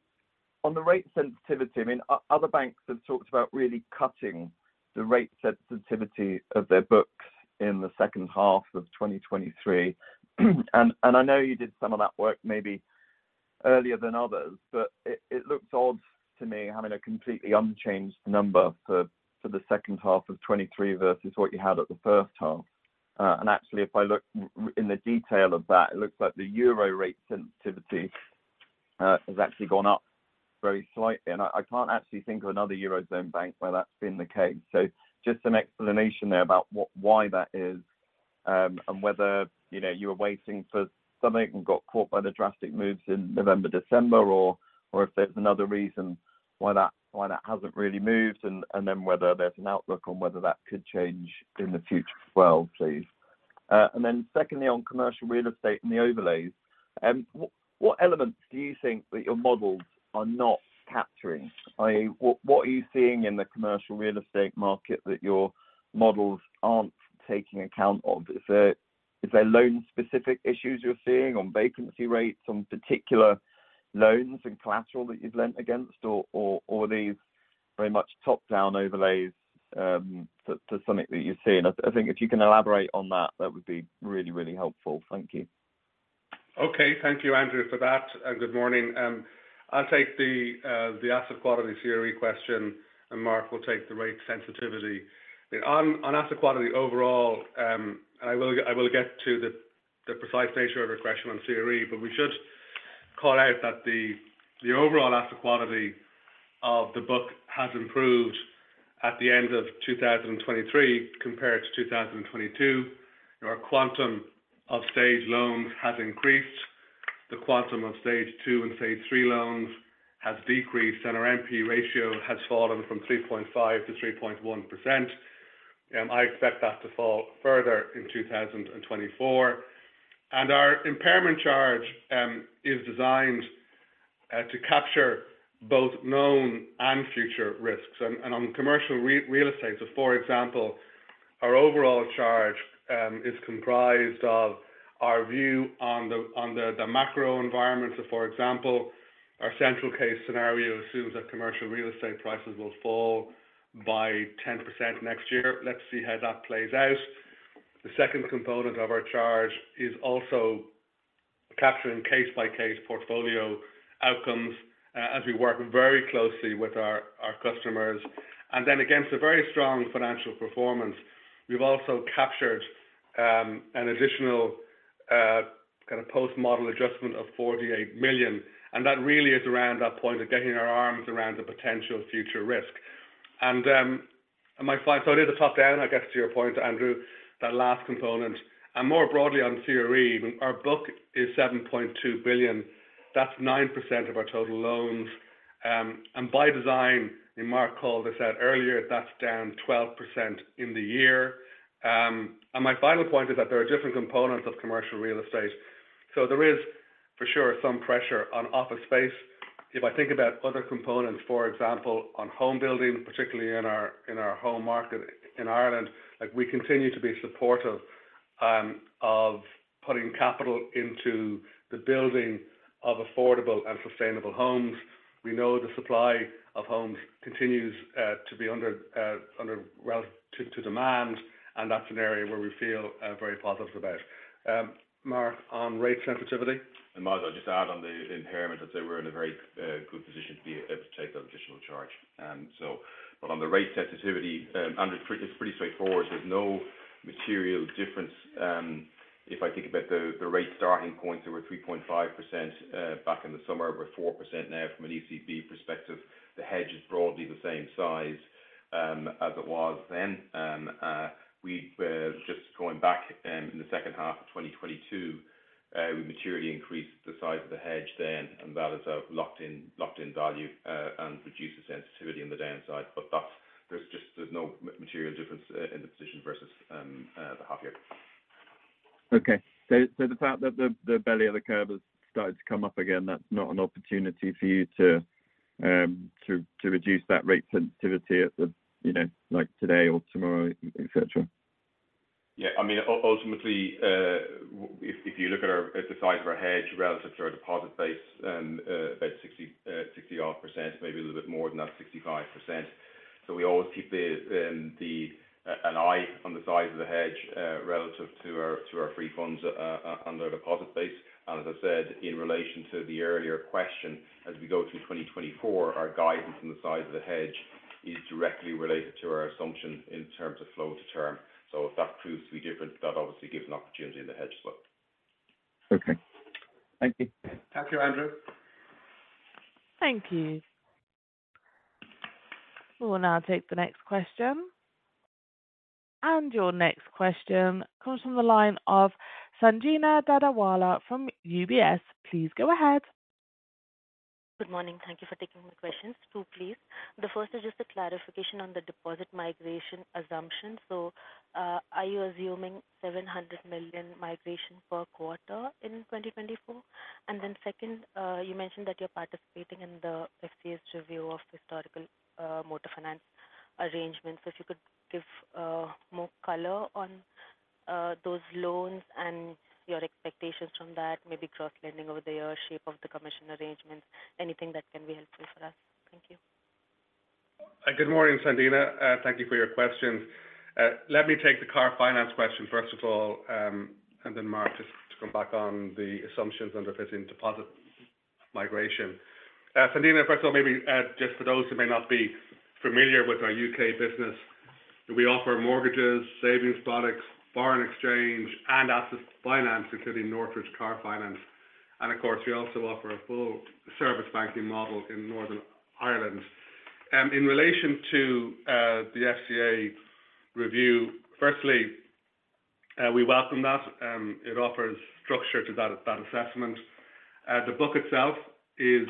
I: rate sensitivity, I mean, other banks have talked about really cutting the rate sensitivity of their books in the second half of 2023. And I know you did some of that work maybe earlier than others, but it looks odd to me having a completely unchanged number for the second half of 2023 versus what you had at the first half. And actually, if I look in the detail of that, it looks like the euro rate sensitivity has actually gone up very slightly. And I can't actually think of another eurozone bank where that's been the case. Just some explanation there about why that is and whether you were waiting for something and got caught by the drastic moves in November, December, or if there's another reason why that hasn't really moved, and then whether there's an outlook on whether that could change in the future as well, please. Then secondly, on commercial real estate and the overlays, what elements do you think that your models are not capturing? I mean, what are you seeing in the commercial real estate market that your models aren't taking account of? Is there loan-specific issues you're seeing on vacancy rates, on particular loans and collateral that you've lent against, or are these very much top-down overlays to something that you're seeing? I think if you can elaborate on that, that would be really, really helpful. Thank you.
A: Okay. Thank you, Andrew, for that. Good morning. I'll take the asset quality CRE question. Mark will take the rate sensitivity. I mean, on asset quality overall, and I will get to the precise nature of regression on CRE, but we should call out that the overall asset quality of the book has improved at the end of 2023 compared to 2022. Our quantum of stage loans has increased. The quantum of Stage 2 and stage three loans has decreased. And our NP ratio has fallen from 3.5%-3.1%. I expect that to fall further in 2024. And our impairment charge is designed to capture both known and future risks. And on commercial real estate, so for example, our overall charge is comprised of our view on the macro environment. So for example, our central case scenario assumes that commercial real estate prices will fall by 10% next year. Let's see how that plays out. The second component of our charge is also capturing case-by-case portfolio outcomes as we work very closely with our customers. Then against a very strong financial performance, we've also captured an additional kind of post-model adjustment of 48 million. And that really is around that point of getting our arms around the potential future risk. So I did a top-down, I guess, to your point, Andrew, that last component. And more broadly on CRE, our book is 7.2 billion. That's 9% of our total loans. And by design, I mean, Mark called this out earlier, that's down 12% in the year. My final point is that there are different components of commercial real estate. There is for sure some pressure on office space. If I think about other components, for example, on home building, particularly in our home market in Ireland, we continue to be supportive of putting capital into the building of affordable and sustainable homes. We know the supply of homes continues to be under relative to demand. That's an area where we feel very positive about. Mark, on rate sensitivity?
B: Myles, I'll just add on the impairment. I'd say we're in a very good position to be able to take that additional charge. But on the rate sensitivity, Andrew, it's pretty straightforward. There's no material difference. If I think about the rate starting point, so we're 3.5% back in the summer. We're 4% now from an ECB perspective. The hedge is broadly the same size as it was then. Just going back in the second half of 2022, we materially increased the size of the hedge then. That is a locked-in value and reduces sensitivity on the downside. But there's no material difference in the position versus the half-year.
I: Okay. So the fact that the belly of the curve has started to come up again, that's not an opportunity for you to reduce that rate sensitivity like today or tomorrow, etc.?
B: Yeah. I mean, ultimately, if you look at the size of our hedge relative to our deposit base, about 60-odd%, maybe a little bit more than that, 65%. So we always keep an eye on the size of the hedge relative to our free funds under our deposit base. And as I said, in relation to the earlier question, as we go through 2024, our guidance on the size of the hedge is directly related to our assumption in terms of flow-to-term. So if that proves to be different, that obviously gives an opportunity in the hedge as well.
I: Okay. Thank you.
A: Thank you, Andrew.
C: Thank you. We will now take the next question. Your next question comes from the line of Sanjana Dadawala from UBS. Please go ahead.
J: Good morning. Thank you for taking my questions, too, please. The first is just a clarification on the deposit migration assumption. So are you assuming 700 million migration per quarter in 2024? And then second, you mentioned that you're participating in the FCA's review of historical motor finance arrangements. So if you could give more color on those loans and your expectations from that, maybe cross-lending over the year, shape of the commission arrangements, anything that can be helpful for us. Thank you.
A: Good morning, Sanjana. Thank you for your questions. Let me take the car finance question, first of all. And then Mark, just to come back on the assumptions under fitting deposit migration. Sanjana, first of all, maybe just for those who may not be familiar with our UK business, we offer mortgages, savings products, foreign exchange, and asset finance, including Northridge Car Finance. And of course, we also offer a full service banking model in Northern Ireland. In relation to the FCA review, firstly, we welcome that. It offers structure to that assessment. The book itself is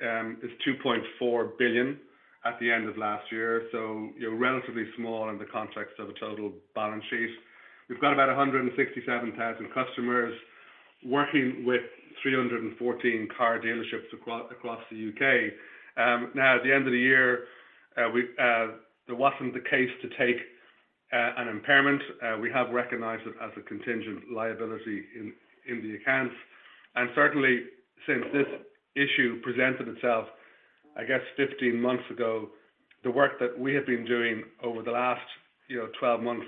A: 2.4 billion at the end of last year, so relatively small in the context of a total balance sheet. We've got about 167,000 customers working with 314 car dealerships across the U.K. Now, at the end of the year, there wasn't the case to take an impairment. We have recognized it as a contingent liability in the accounts. Certainly, since this issue presented itself, I guess, 15 months ago, the work that we have been doing over the last 12 months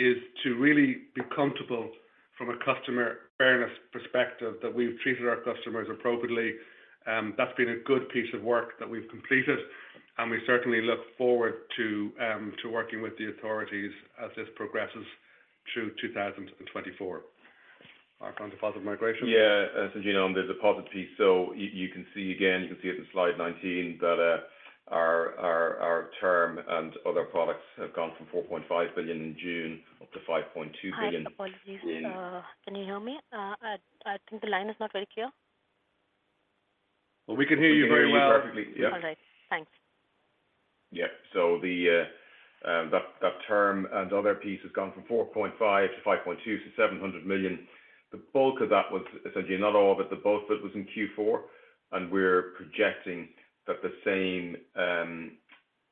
A: is to really be comfortable from a customer fairness perspective that we've treated our customers appropriately. That's been a good piece of work that we've completed. We certainly look forward to working with the authorities as this progresses through 2024. Mark, on deposit migration?
B: Yeah. Sanjana, on the deposit piece, so you can see again, you can see it in Slide 19 that our term and other products have gone from 4.5 billion in June up to 5.2 billion in June.
J: Hi, apologies. Can you hear me? I think the line is not very clear.
B: Well, we can hear you very well. We can hear you perfectly. Yeah.
J: All right. Thanks.
B: Yeah. So that term and other piece has gone from 4.5 to 5.2, so 700 million. The bulk of that was essentially not all of it, but both of it was in Q4. And we're projecting that the same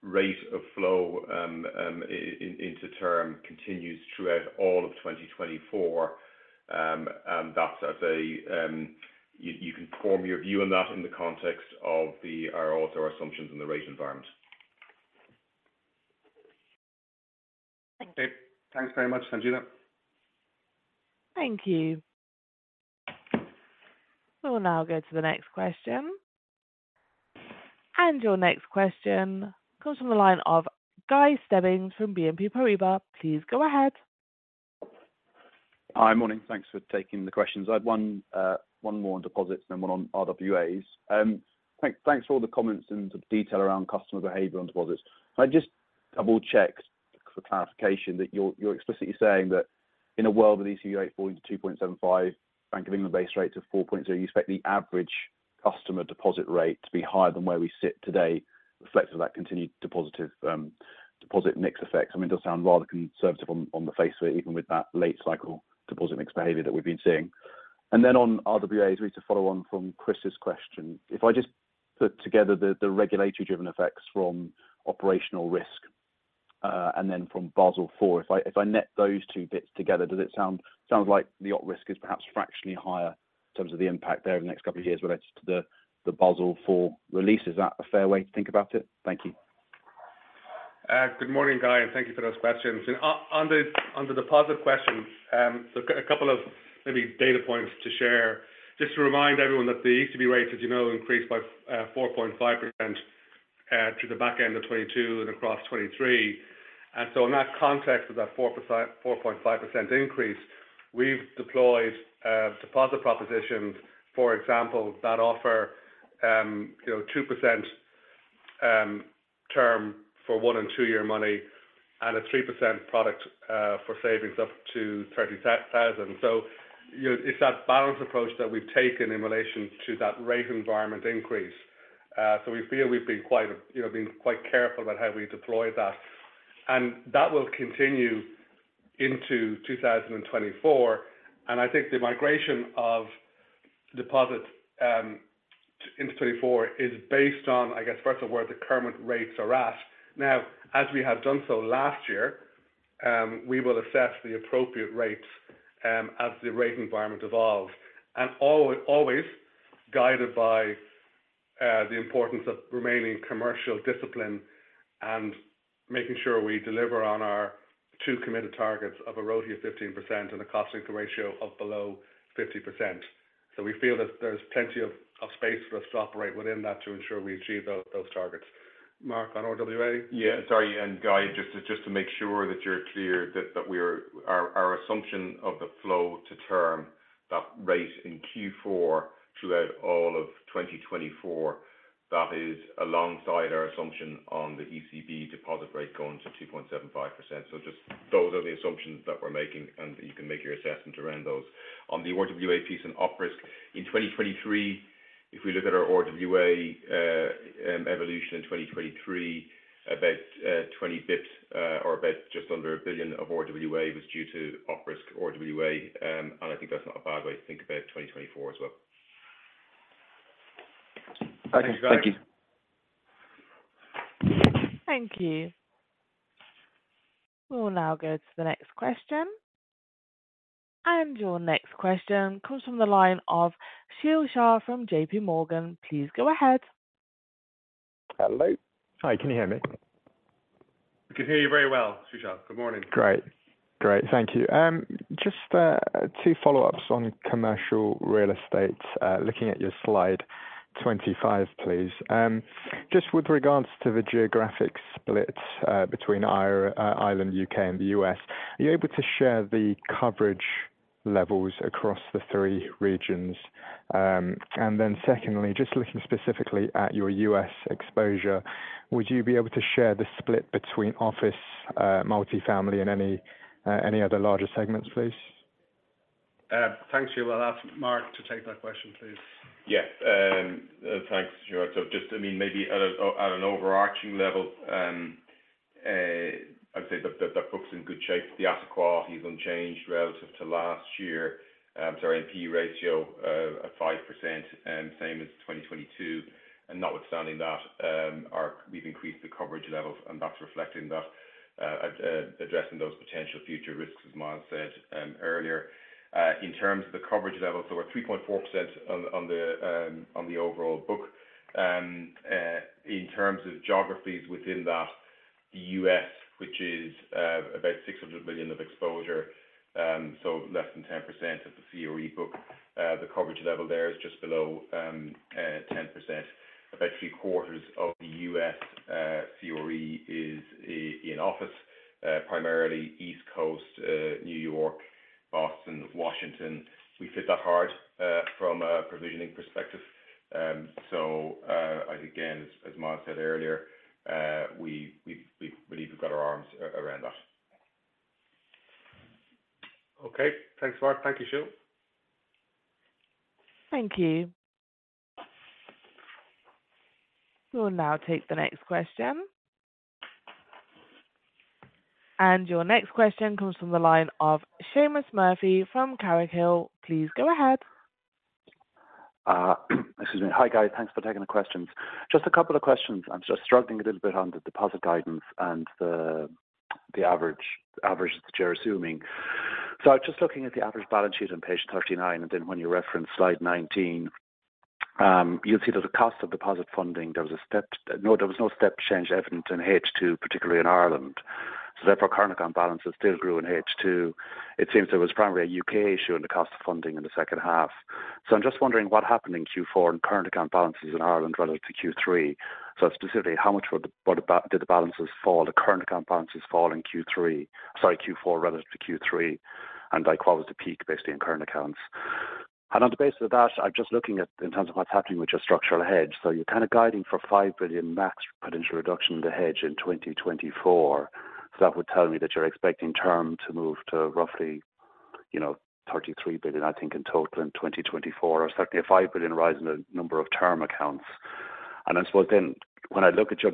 B: rate of flow into term continues throughout all of 2024. And that's as you can form your view on that in the context of our other assumptions and the rate environment.
J: Thank you.
A: Thanks very much, Sanjana.
C: Thank you. We will now go to the next question. Your next question comes from the line of Guy Stebbings from BNP Paribas. Please go ahead.
K: Hi, morning. Thanks for taking the questions. I had one more on deposits and then one on RWAs. Thanks for all the comments and the detail around customer behavior on deposits. I just double-checked for clarification that you're explicitly saying that in a world with ECB rate falling to 2.75, Bank of England-based rates of 4.0, you expect the average customer deposit rate to be higher than where we sit today, reflective of that continued deposit mix effect. I mean, it does sound rather conservative on the face of it, even with that late-cycle deposit mix behavior that we've been seeing. Then on RWAs, ready to follow on from Chris's question. If I just put together the regulatory-driven effects from operational risk and then from Basel IV, if I net those two bits together, does it sound like the op risk is perhaps fractionally higher in terms of the impact there over the next couple of years related to the Basel IV release? Is that a fair way to think about it? Thank you.
A: Good morning, Guy. Thank you for those questions. Under deposit questions, so a couple of maybe data points to share. Just to remind everyone that the ECB rate, as you know, increased by 4.5% through the back end of 2022 and across 2023. So in that context of that 4.5% increase, we've deployed deposit propositions. For example, that offer 2% term for 1- and 2-year money and a 3% product for savings up to 30,000. So it's that balanced approach that we've taken in relation to that rate environment increase. So we feel we've been quite careful about how we deployed that. That will continue into 2024. I think the migration of deposit into 2024 is based on, I guess, first of all, where the current rates are at. Now, as we have done so last year, we will assess the appropriate rates as the rate environment evolves, and always guided by the importance of remaining commercial discipline and making sure we deliver on our two committed targets of a RoTE of 15% and a cost-income ratio of below 50%. So we feel that there's plenty of space for us to operate within that to ensure we achieve those targets. Mark, on RWA?
B: Yeah. Sorry. And Guy, just to make sure that you're clear that our assumption of the flow-to-term, that rate in Q4 throughout all of 2024, that is alongside our assumption on the ECB deposit rate going to 2.75%. So just those are the assumptions that we're making, and you can make your assessment around those. On the RWA piece and op risk, in 2023, if we look at our RWA evolution in 2023, about 20 bps or about just under 1 billion of RWA was due to op risk RWA. And I think that's not a bad way to think about 2024 as well.
K: Thank you.
C: Thank you. We will now go to the next question. Your next question comes from the line of Sheel Shah from JPMorgan. Please go ahead.
L: Hello. Hi. Can you hear me?
A: We can hear you very well, Sheel Shah. Good morning.
L: Great. Great. Thank you. Just two follow-ups on commercial real estate, looking at your slide 25, please. Just with regards to the geographic split between Ireland, U.K., and the U.S., are you able to share the coverage levels across the three regions? And then secondly, just looking specifically at your U.S. exposure, would you be able to share the split between office, multifamily, and any other larger segments, please?
A: Thanks, Sheel Shah. I'll ask Mark to take that question, please.
B: Yeah. Thanks, Sheel Shah. So just, I mean, maybe at an overarching level, I'd say that the book's in good shape. The asset quality is unchanged relative to last year. Sorry, NP ratio at 5%, same as 2022. And notwithstanding that, we've increased the coverage levels, and that's reflecting that, addressing those potential future risks, as Myles said earlier. In terms of the coverage levels, so we're 3.4% on the overall book. In terms of geographies within that, the U.S., which is about $600 million of exposure, so less than 10% of the CRE book, the coverage level there is just below 10%. About three-quarters of the U.S. CRE is in office, primarily East Coast, New York, Boston, Washington. We hit that hard from a provisioning perspective. So again, as Myles said earlier, we believe we've got our arms around that.
A: Okay. Thanks, Mark. Thank you, Sheel.
C: Thank you. We will now take the next question. Your next question comes from the line of Seamus Murphy from Carraighill. Please go ahead.
M: Excuse me. Hi, Guy. Thanks for taking the questions. Just a couple of questions. I'm just struggling a little bit on the deposit guidance and the average that you're assuming. So just looking at the average balance sheet on page 39, and then when you reference slide 19, you'll see that the cost of deposit funding, there was no step change evident in H2, particularly in Ireland. So therefore, current account balances still grew in H2. It seems there was primarily a UK issue in the cost of funding in the second half. So I'm just wondering what happened in Q4 and current account balances in Ireland relative to Q3. So specifically, how much did the balances fall? The current account balances fall in Q3, sorry, Q4 relative to Q3, and what was the peak, basically, in current accounts? On the basis of that, I'm just looking at in terms of what's happening with your structural hedge. So you're kind of guiding for 5 billion max potential reduction in the hedge in 2024. So that would tell me that you're expecting term to move to roughly 33 billion, I think, in total in 2024, or certainly a 5 billion rise in the number of term accounts. I suppose then when I look at your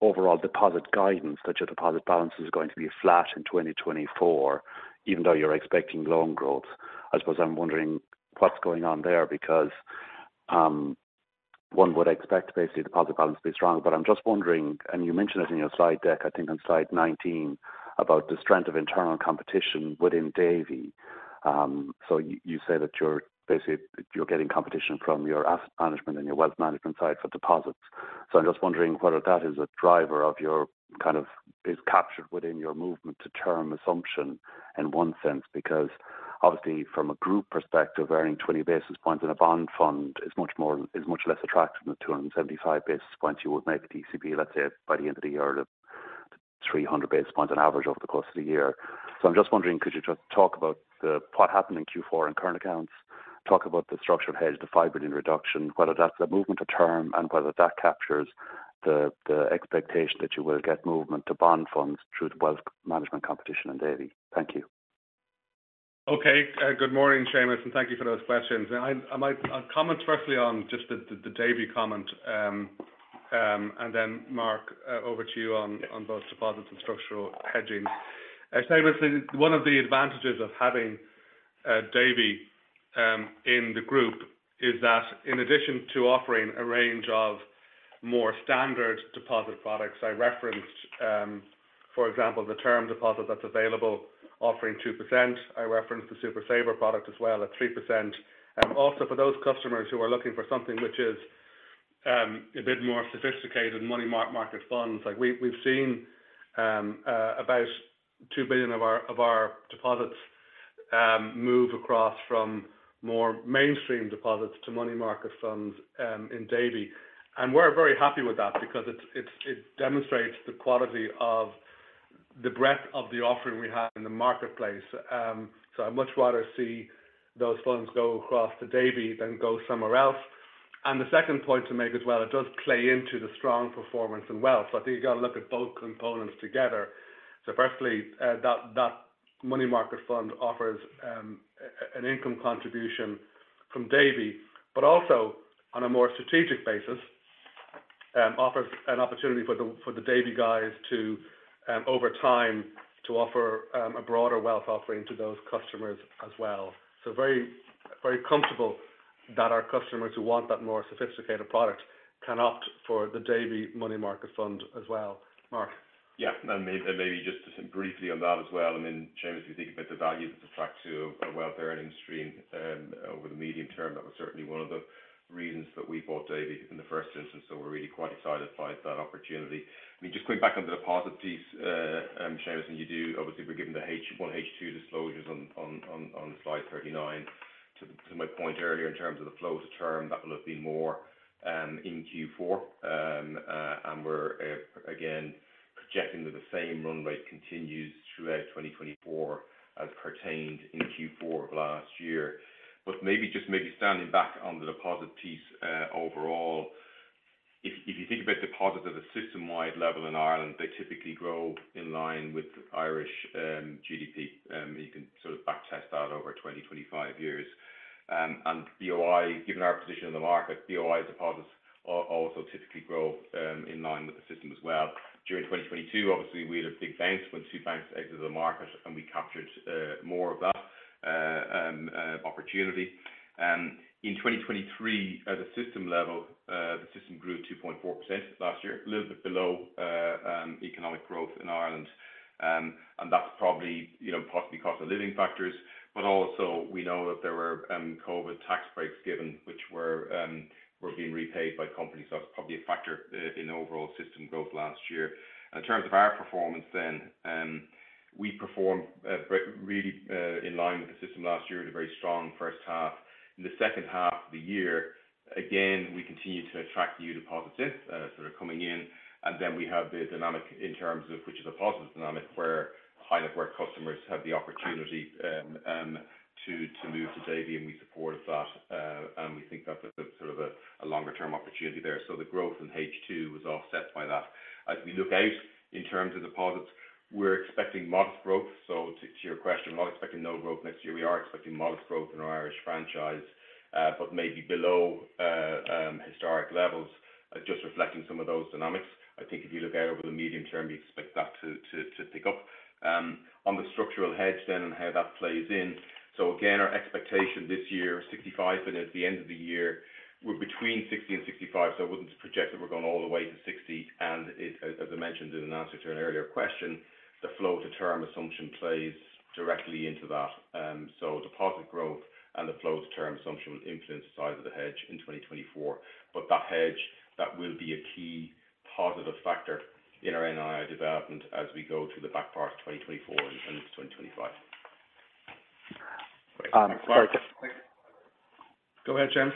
M: overall deposit guidance that your deposit balances are going to be flat in 2024, even though you're expecting loan growth, I suppose I'm wondering what's going on there because one would expect, basically, deposit balance to be stronger. But I'm just wondering and you mentioned it in your slide deck, I think on slide 19, about the strength of internal competition within Davy. So you say that basically, you're getting competition from your asset management and your wealth management side for deposits. So I'm just wondering whether that is a driver of your kind of is captured within your movement-to-term assumption in one sense because obviously, from a group perspective, varying 20 basis points in a bond fund is much less attractive than the 275 basis points you would make at ECB, let's say, by the end of the year, or the 300 basis points on average over the course of the year. So I'm just wondering, could you just talk about what happened in Q4 and current accounts, talk about the structural hedge, the 5 billion reduction, whether that's a movement-to-term, and whether that captures the expectation that you will get movement-to-bond funds through the wealth management competition in Davy? Thank you.
A: Okay. Good morning, Seamus. And thank you for those questions. And I might comment firstly on just the Davy comment, and then Mark, over to you on both deposits and structural hedging. Seamus, one of the advantages of having Davy in the group is that in addition to offering a range of more standard deposit products, I referenced, for example, the term deposit that's available, offering 2%. I referenced the Super Saver product as well at 3%. Also, for those customers who are looking for something which is a bit more sophisticated, money market funds, we've seen about 2 billion of our deposits move across from more mainstream deposits to money market funds in Davy. And we're very happy with that because it demonstrates the quality of the breadth of the offering we have in the marketplace. So I much rather see those funds go across to Davy than go somewhere else. And the second point to make as well, it does play into the strong performance and wealth. So I think you've got to look at both components together. So firstly, that money market fund offers an income contribution from Davy, but also on a more strategic basis, offers an opportunity for the Davy guys to, over time, offer a broader wealth offering to those customers as well. So very comfortable that our customers who want that more sophisticated product can opt for the Davy money market fund as well. Mark?
B: Yeah. And maybe just briefly on that as well. I mean, Seamus, if you think about the value that's attracted to a wealth earning stream over the medium term, that was certainly one of the reasons that we bought Davy in the first instance. So we're really quite excited by that opportunity. I mean, just quick back on the deposit piece, Seamus, and you do obviously, we're giving the 1H2 disclosures on slide 39. To my point earlier, in terms of the flow-to-term, that will have been more in Q4. And we're, again, projecting that the same run rate continues throughout 2024 as pertained in Q4 of last year. But maybe just standing back on the deposit piece overall, if you think about deposits at a system-wide level in Ireland, they typically grow in line with Irish GDP. You can sort of backtest that over 20-25 years. Given our position in the market, BOI deposits also typically grow in line with the system as well. During 2022, obviously, we had a big bounce when two banks exited the market, and we captured more of that opportunity. In 2023, at a system level, the system grew 2.4% last year, a little bit below economic growth in Ireland. That's possibly because of living factors. But also, we know that there were COVID tax breaks given, which were being repaid by companies. That's probably a factor in overall system growth last year. In terms of our performance then, we performed really in line with the system last year, with a very strong first half. In the second half of the year, again, we continue to attract new deposits in, sort of coming in. Then we have the dynamic in terms of which is a positive dynamic where high-net-worth customers have the opportunity to move to Davy, and we support that. We think that's sort of a longer-term opportunity there. The growth in H2 was offset by that. As we look out in terms of deposits, we're expecting modest growth. To your question, we're not expecting no growth next year. We are expecting modest growth in our Irish franchise, but maybe below historic levels, just reflecting some of those dynamics. I think if you look out over the medium term, you expect that to pick up. On the structural hedge then and how that plays in, again, our expectation this year, 65, and at the end of the year, we're between 60 and 65. I wouldn't project that we're going all the way to 60. As I mentioned in an answer to an earlier question, the flow-to-term assumption plays directly into that. Deposit growth and the flow-to-term assumption will influence the size of the hedge in 2024. That hedge, that will be a key positive factor in our NII development as we go through the back part of 2024 and into 2025.
A: Sorry. Go ahead, Seamus.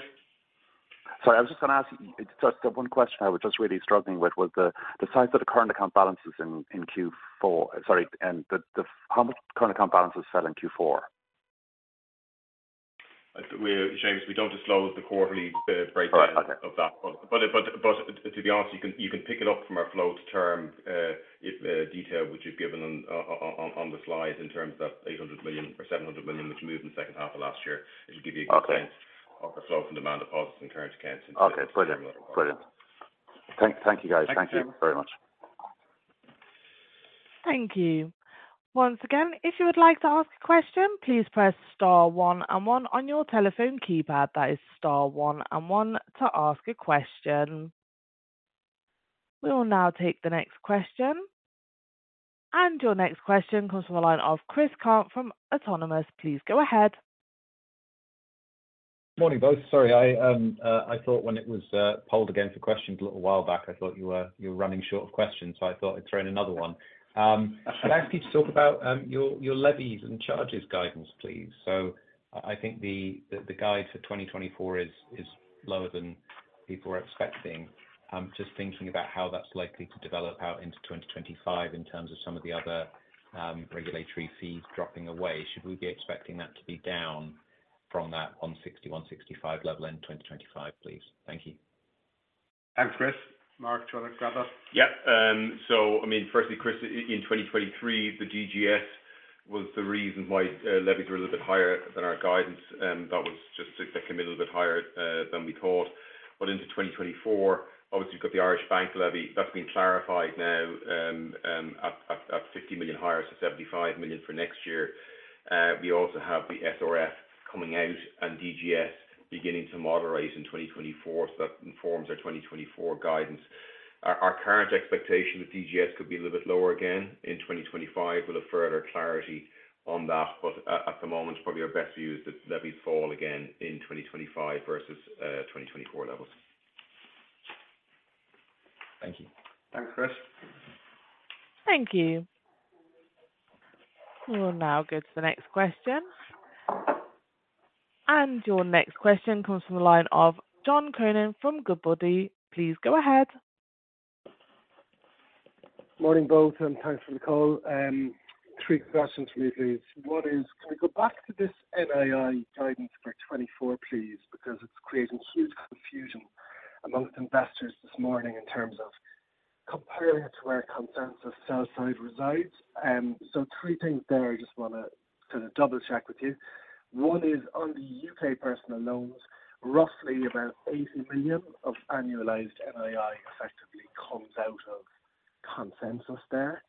M: Sorry. I was just going to ask you just one question I was just really struggling with was the size of the current account balances in Q4, sorry, and how much current account balances fell in Q4?
B: Seamus, we don't disclose the quarterly breakdown of that. But to the answer, you can pick it up from our flow-to-term detail which you've given on the slides in terms of that 800 million or 700 million which moved in the second half of last year. It'll give you a good sense of the flow from demand deposits and current accounts into the similar deposits.
M: Okay. Brilliant. Brilliant. Thank you, guys. Thank you very much.
C: Thank you. Once again, if you would like to ask a question, please press star one and one on your telephone keypad. That is star one and one to ask a question. We will now take the next question. Your next question comes from the line of Chris Cant from Autonomous. Please go ahead.
F: Morning, both. Sorry. I thought when it was polled again for questions a little while back, I thought you were running short of questions. So I thought I'd throw in another one. Could I ask you to talk about your levies and charges guidance, please? So I think the guide for 2024 is lower than people were expecting. Just thinking about how that's likely to develop out into 2025 in terms of some of the other regulatory fees dropping away, should we be expecting that to be down from that 160-165 level end 2025, please? Thank you.
A: Thanks, Chris. Mark, do you want to grab that?
B: Yeah. So I mean, firstly, Chris, in 2023, the DGS was the reason why levies were a little bit higher than our guidance. That was just to pick them a little bit higher than we thought. But into 2024, obviously, you've got the Irish bank levy. That's been clarified now at 50 million higher, so 75 million for next year. We also have the SRF coming out and DGS beginning to moderate in 2024. So that informs our 2024 guidance. Our current expectation with DGS could be a little bit lower again in 2025 with further clarity on that. But at the moment, probably our best view is that levies fall again in 2025 versus 2024 levels.
F: Thank you.
A: Thanks, Chris.
C: Thank you. We will now go to the next question. Your next question comes from the line of John Cronin from Goodbody. Please go ahead.
N: Morning, both, and thanks for the call. Three questions for me, please. Can we go back to this NII guidance for 2024, please? Because it's creating huge confusion among investors this morning in terms of comparing it to where consensus sell-side resides. So three things there. I just want to sort of double-check with you. One is on the U.K. personal loans, roughly about 80 million of annualized NII effectively comes out of consensus there.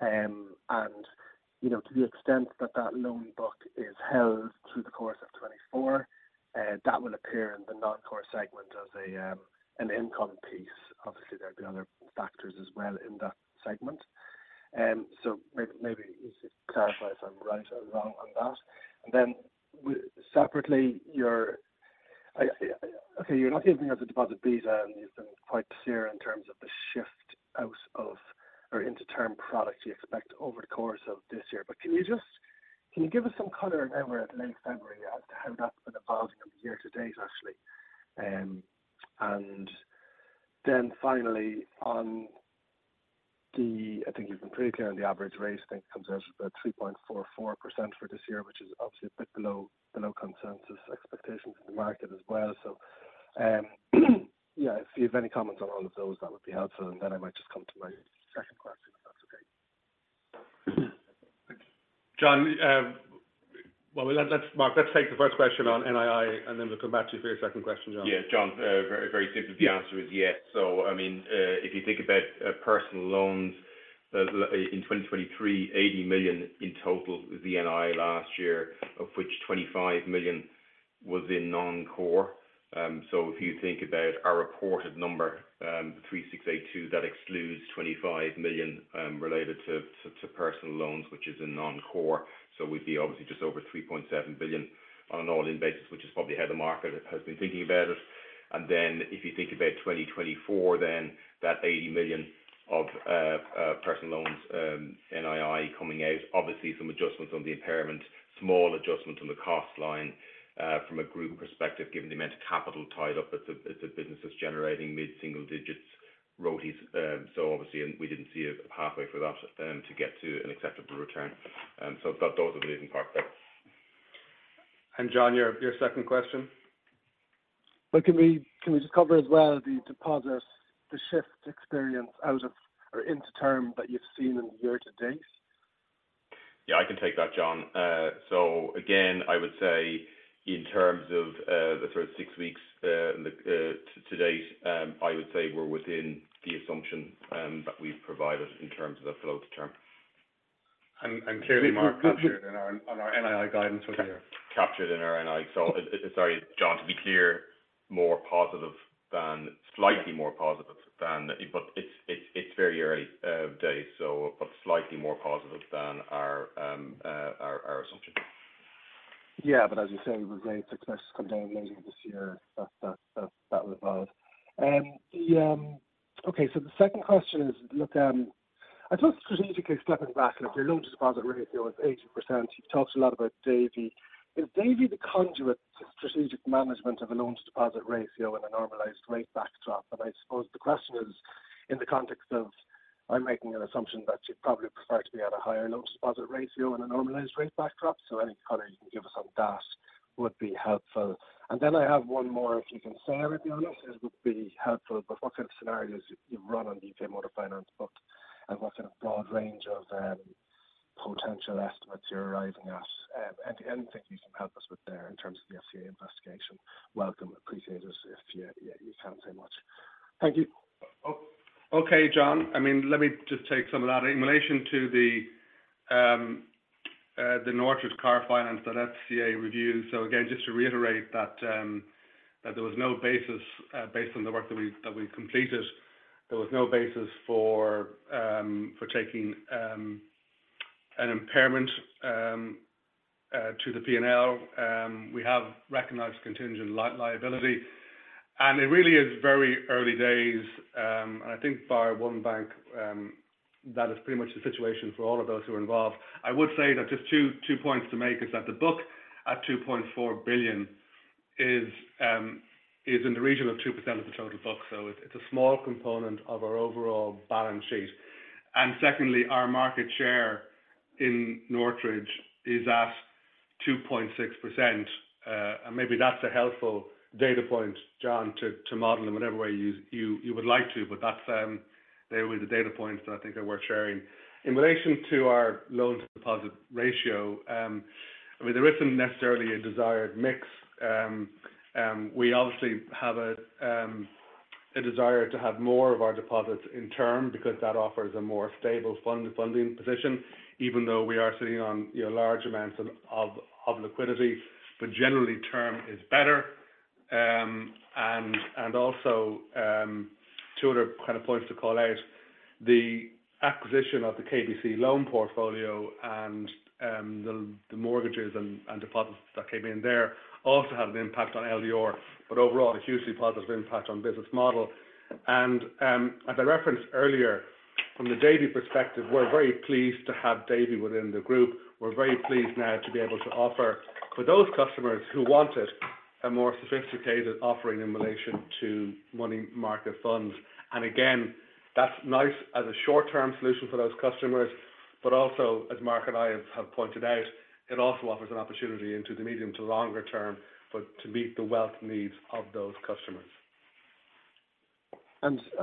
N: And to the extent that that loan book is held through the course of 2024, that will appear in the non-core segment as an income piece. Obviously, there'd be other factors as well in that segment. So maybe you should clarify if I'm right or wrong on that. And then separately, okay, you're not giving us a deposit beta, and you've been quite clear in terms of the shift out of or into term product you expect over the course of this year. But can you give us some color now we're at late February as to how that's been evolving on the year-to-date, actually? And then finally, I think you've been pretty clear on the average rate. I think it comes out at about 3.44% for this year, which is obviously a bit below consensus expectations in the market as well. So yeah, if you have any comments on all of those, that would be helpful. And then I might just come to my second question if that's okay.
A: John, well, Mark, let's take the first question on NII, and then we'll come back to you for your second question, John.
B: Yeah, John, very simply. The answer is yes. So I mean, if you think about personal loans in 2023, 80 million in total was the NII last year, of which 25 million was in non-core. So if you think about our reported number, 3,682, that excludes 25 million related to personal loans, which is in non-core. So we'd be obviously just over 3.7 billion on an all-in basis, which is probably how the market has been thinking about it. And then if you think about 2024, then that 80 million of personal loans NII coming out, obviously, some adjustments on the impairment, small adjustments on the cost line from a group perspective given the amount of capital tied up. It's a business that's generating mid-single digits RoTEs. So obviously, we didn't see a pathway for that to get to an acceptable return. So those are the leading parts.
A: John, your second question?
N: Can we just cover as well the shift experience out of or into term that you've seen in the year-to-date?
B: Yeah, I can take that, John. So again, I would say in terms of the sort of six weeks to date, I would say we're within the assumption that we've provided in terms of the flow-to-term.
A: I'm clearly more captured in our NII guidance for the year.
B: Captured in our NII. So, sorry, John, to be clear, slightly more positive than but it's very early days, but slightly more positive than our assumption.
N: Yeah. But as you say, we've made success coming down later this year. That will evolve. Okay. So the second question is, I suppose strategically stepping back, your loan-to-deposit ratio is 80%. You've talked a lot about Davy. Is Davy the conduit to strategic management of a loan-to-deposit ratio in a normalized rate backdrop? And I suppose the question is in the context of I'm making an assumption that you'd probably prefer to be at a higher loan-to-deposit ratio in a normalized rate backdrop. So any color you can give us on that would be helpful. And then I have one more, if you can say, to be honest, it would be helpful. But what kind of scenarios you've run on the UK motor finance book, and what kind of broad range of potential estimates you're arriving at? Anything you can help us with there in terms of the FCA investigation, welcome. Appreciate it if you can't say much. Thank you.
A: Okay, John. I mean, let me just take some of that. In relation to the Northridge Car Finance, the FCA review, so again, just to reiterate that there was no basis based on the work that we completed, there was no basis for taking an impairment to the P&L. We have recognized contingent liability. And it really is very early days. And I think by one bank, that is pretty much the situation for all of those who are involved. I would say that just two points to make is that the book at 2.4 billion is in the region of 2% of the total book. So it's a small component of our overall balance sheet. And secondly, our market share in Northridge is at 2.6%. And maybe that's a helpful data point, John, to model in whatever way you would like to. But they will be the data points that I think are worth sharing. In relation to our loan-to-deposit ratio, I mean, there isn't necessarily a desired mix. We obviously have a desire to have more of our deposits in term because that offers a more stable funding position, even though we are sitting on large amounts of liquidity. But generally, term is better. And also, two other kind of points to call out. The acquisition of the KBC loan portfolio and the mortgages and deposits that came in there also had an impact on LDR. But overall, a hugely positive impact on business model. And as I referenced earlier, from the Davy perspective, we're very pleased to have Davy within the group. We're very pleased now to be able to offer for those customers who want it a more sophisticated offering in relation to money market funds. Again, that's nice as a short-term solution for those customers. Also, as Mark and I have pointed out, it also offers an opportunity into the medium to longer term to meet the wealth needs of those customers.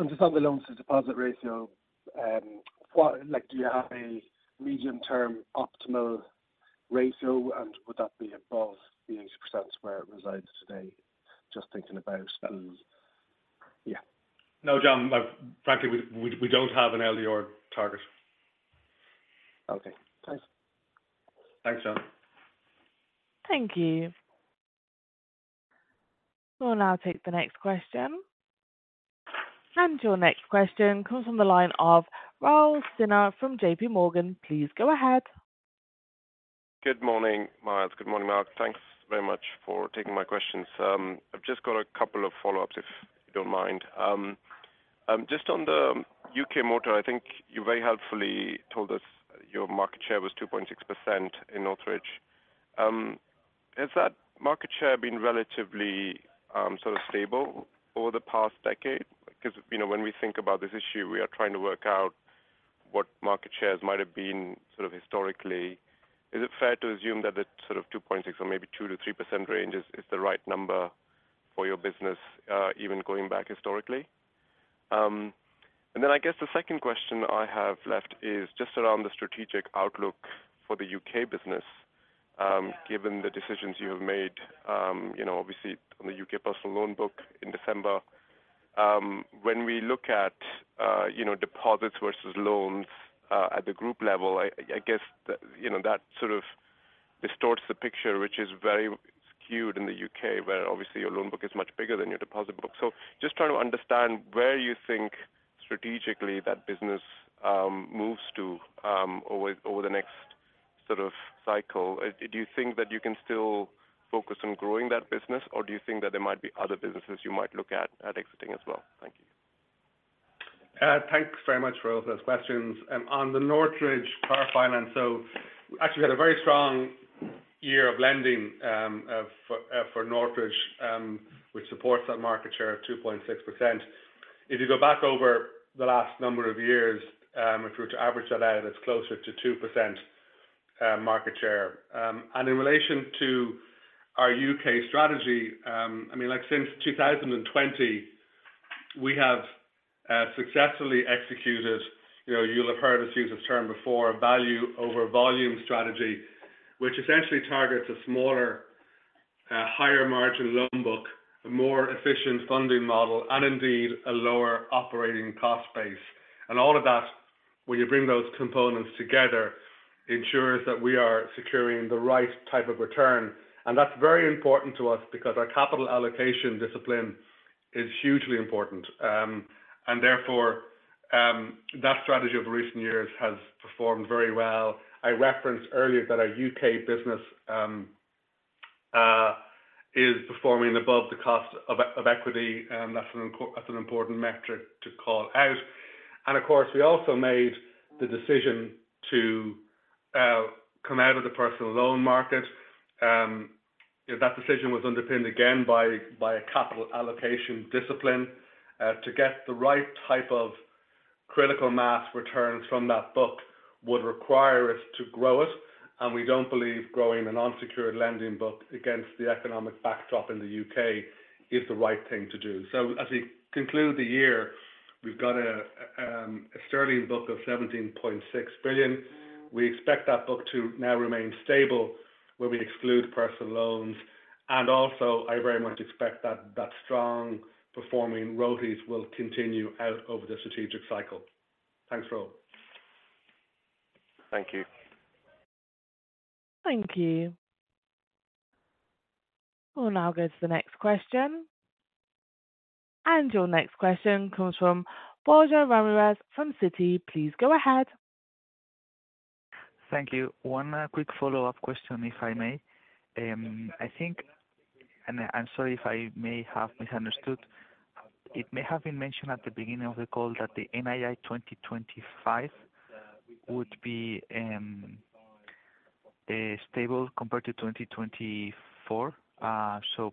N: Just on the loan-to-deposit ratio, do you have a medium-term optimal ratio, and would that be above the 80% where it resides today? Just thinking about the yeah.
A: No, John. Frankly, we don't have an LDR target.
N: Okay. Thanks.
A: Thanks, John.
C: Thank you. We will now take the next question. Your next question comes from the line of Raul Sinha from JPMorgan. Please go ahead.
O: Good morning, Myles. Good morning, Mark. Thanks very much for taking my questions. I've just got a couple of follow-ups if you don't mind. Just on the UK motor, I think you very helpfully told us your market share was 2.6% in Northridge. Has that market share been relatively sort of stable over the past decade? Because when we think about this issue, we are trying to work out what market shares might have been sort of historically. Is it fair to assume that the sort of 2.6 or maybe 2%-3% range is the right number for your business even going back historically? And then I guess the second question I have left is just around the strategic outlook for the UK business given the decisions you have made, obviously, on the U.K. personal loan book in December. When we look at deposits versus loans at the group level, I guess that sort of distorts the picture, which is very skewed in the U.K. where obviously, your loan book is much bigger than your deposit book. So just trying to understand where you think strategically that business moves to over the next sort of cycle. Do you think that you can still focus on growing that business, or do you think that there might be other businesses you might look at exiting as well? Thank you.
A: Thanks very much, Raul, for those questions. On the Northridge Car Finance, so actually, we had a very strong year of lending for Northridge, which supports that market share of 2.6%. If you go back over the last number of years, if you were to average that out, it's closer to 2% market share. In relation to our UK strategy, I mean, since 2020, we have successfully executed, you'll have heard us use this term before, value over volume strategy, which essentially targets a smaller, higher-margin loan book, a more efficient funding model, and indeed, a lower operating cost base. All of that, when you bring those components together, ensures that we are securing the right type of return. That's very important to us because our capital allocation discipline is hugely important. Therefore, that strategy over recent years has performed very well. I referenced earlier that our U.K. business is performing above the cost of equity. That's an important metric to call out. Of course, we also made the decision to come out of the personal loan market. That decision was underpinned again by a capital allocation discipline. To get the right type of critical mass returns from that book would require us to grow it. We don't believe growing a non-secured lending book against the economic backdrop in the U.K. is the right thing to do. As we conclude the year, we've got a sterling book of 17.6 billion. We expect that book to now remain stable when we exclude personal loans. Also, I very much expect that strong performing RoTEs will continue out over the strategic cycle. Thanks, Raul.
O: Thank you.
C: Thank you. We will now go to the next question. Your next question comes from Borja Ramirez from Citi. Please go ahead.
H: Thank you. One quick follow-up question, if I may. I'm sorry if I may have misunderstood. It may have been mentioned at the beginning of the call that the NII 2025 would be stable compared to 2024. So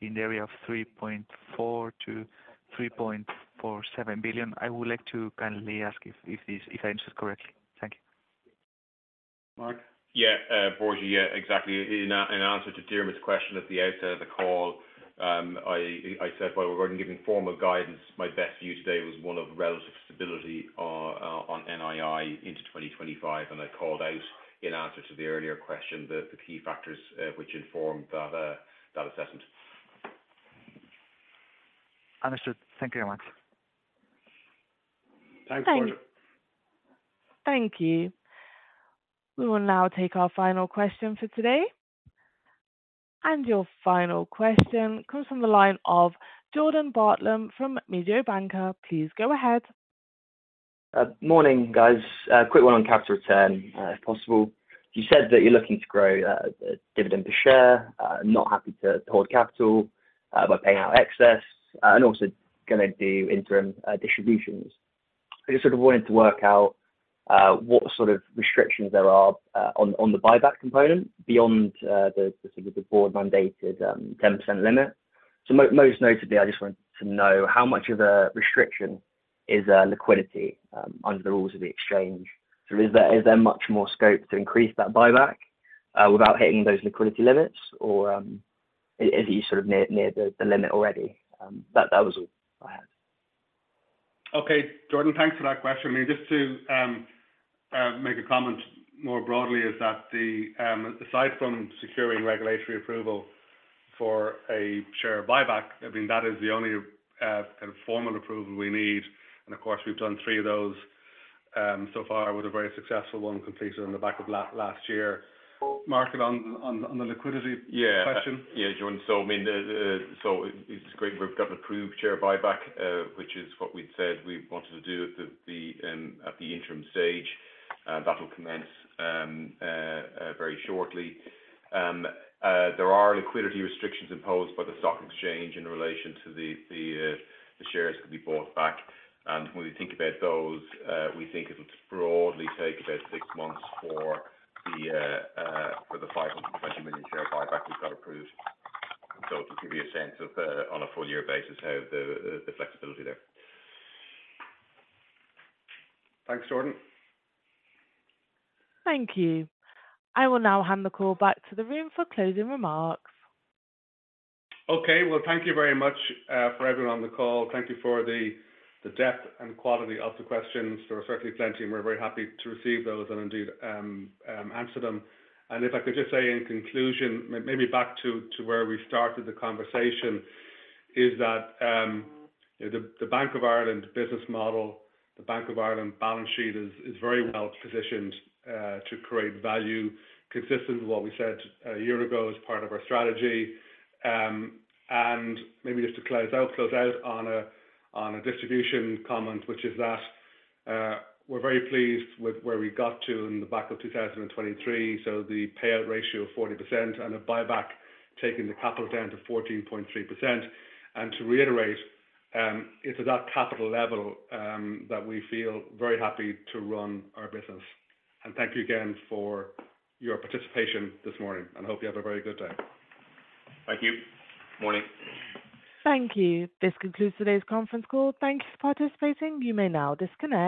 H: in the area of 3.4 billion-3.47 billion, I would like to kindly ask if I answered correctly. Thank you.
A: Mark?
B: Yeah, Borja, yeah, exactly. In answer to Dermot's question at the outset of the call, I said, "While we're going to be giving formal guidance, my best view today was one of relative stability on NII into 2025." And I called out, in answer to the earlier question, the key factors which informed that assessment.
H: Understood. Thank you very much.
A: Thanks, Borja.
C: Thank you. We will now take our final question for today. Your final question comes from the line of Diarmaid Sheridan from Davy. Please go ahead.
D: Morning, guys. Quick one on capital return, if possible. You said that you're looking to grow dividend per share, not happy to hold capital by paying out excess, and also going to do interim distributions. I just sort of wanted to work out what sort of restrictions there are on the buyback component beyond the sort of the board-mandated 10% limit. So most notably, I just wanted to know how much of a restriction is liquidity under the rules of the exchange? So is there much more scope to increase that buyback without hitting those liquidity limits, or is it just sort of near the limit already? That was all I had.
A: Okay, Diarmaid, thanks for that question. I mean, just to make a comment more broadly, is that aside from securing regulatory approval for a share buyback, I mean, that is the only kind of formal approval we need. And of course, we've done three of those so far with a very successful one completed on the back of last year. Mark, on the liquidity question?
B: Yeah, yeah, Diarmaid. So I mean, so it's great we've got an approved share buyback, which is what we'd said we wanted to do at the interim stage. That'll commence very shortly. There are liquidity restrictions imposed by the stock exchange in relation to the shares that could be bought back. And when we think about those, we think it'll broadly take about six months for the 520 million share buyback we've got approved. So to give you a sense of, on a full-year basis, how the flexibility there.
A: Thanks, Diarmaid.
C: Thank you. I will now hand the call back to the room for closing remarks.
A: Okay. Well, thank you very much for everyone on the call. Thank you for the depth and quality of the questions. There were certainly plenty. And we're very happy to receive those and indeed answer them. And if I could just say in conclusion, maybe back to where we started the conversation, is that the Bank of Ireland business model, the Bank of Ireland balance sheet is very well positioned to create value consistent with what we said a year ago as part of our strategy. And maybe just to close out, close out on a distribution comment, which is that we're very pleased with where we got to in the back of 2023. So the payout ratio of 40% and a buyback taking the capital down to 14.3%. And to reiterate, it's at that capital level that we feel very happy to run our business. Thank you again for your participation this morning. I hope you have a very good day. Thank you. Morning.
C: Thank you. This concludes today's conference call. Thank you for participating. You may now disconnect.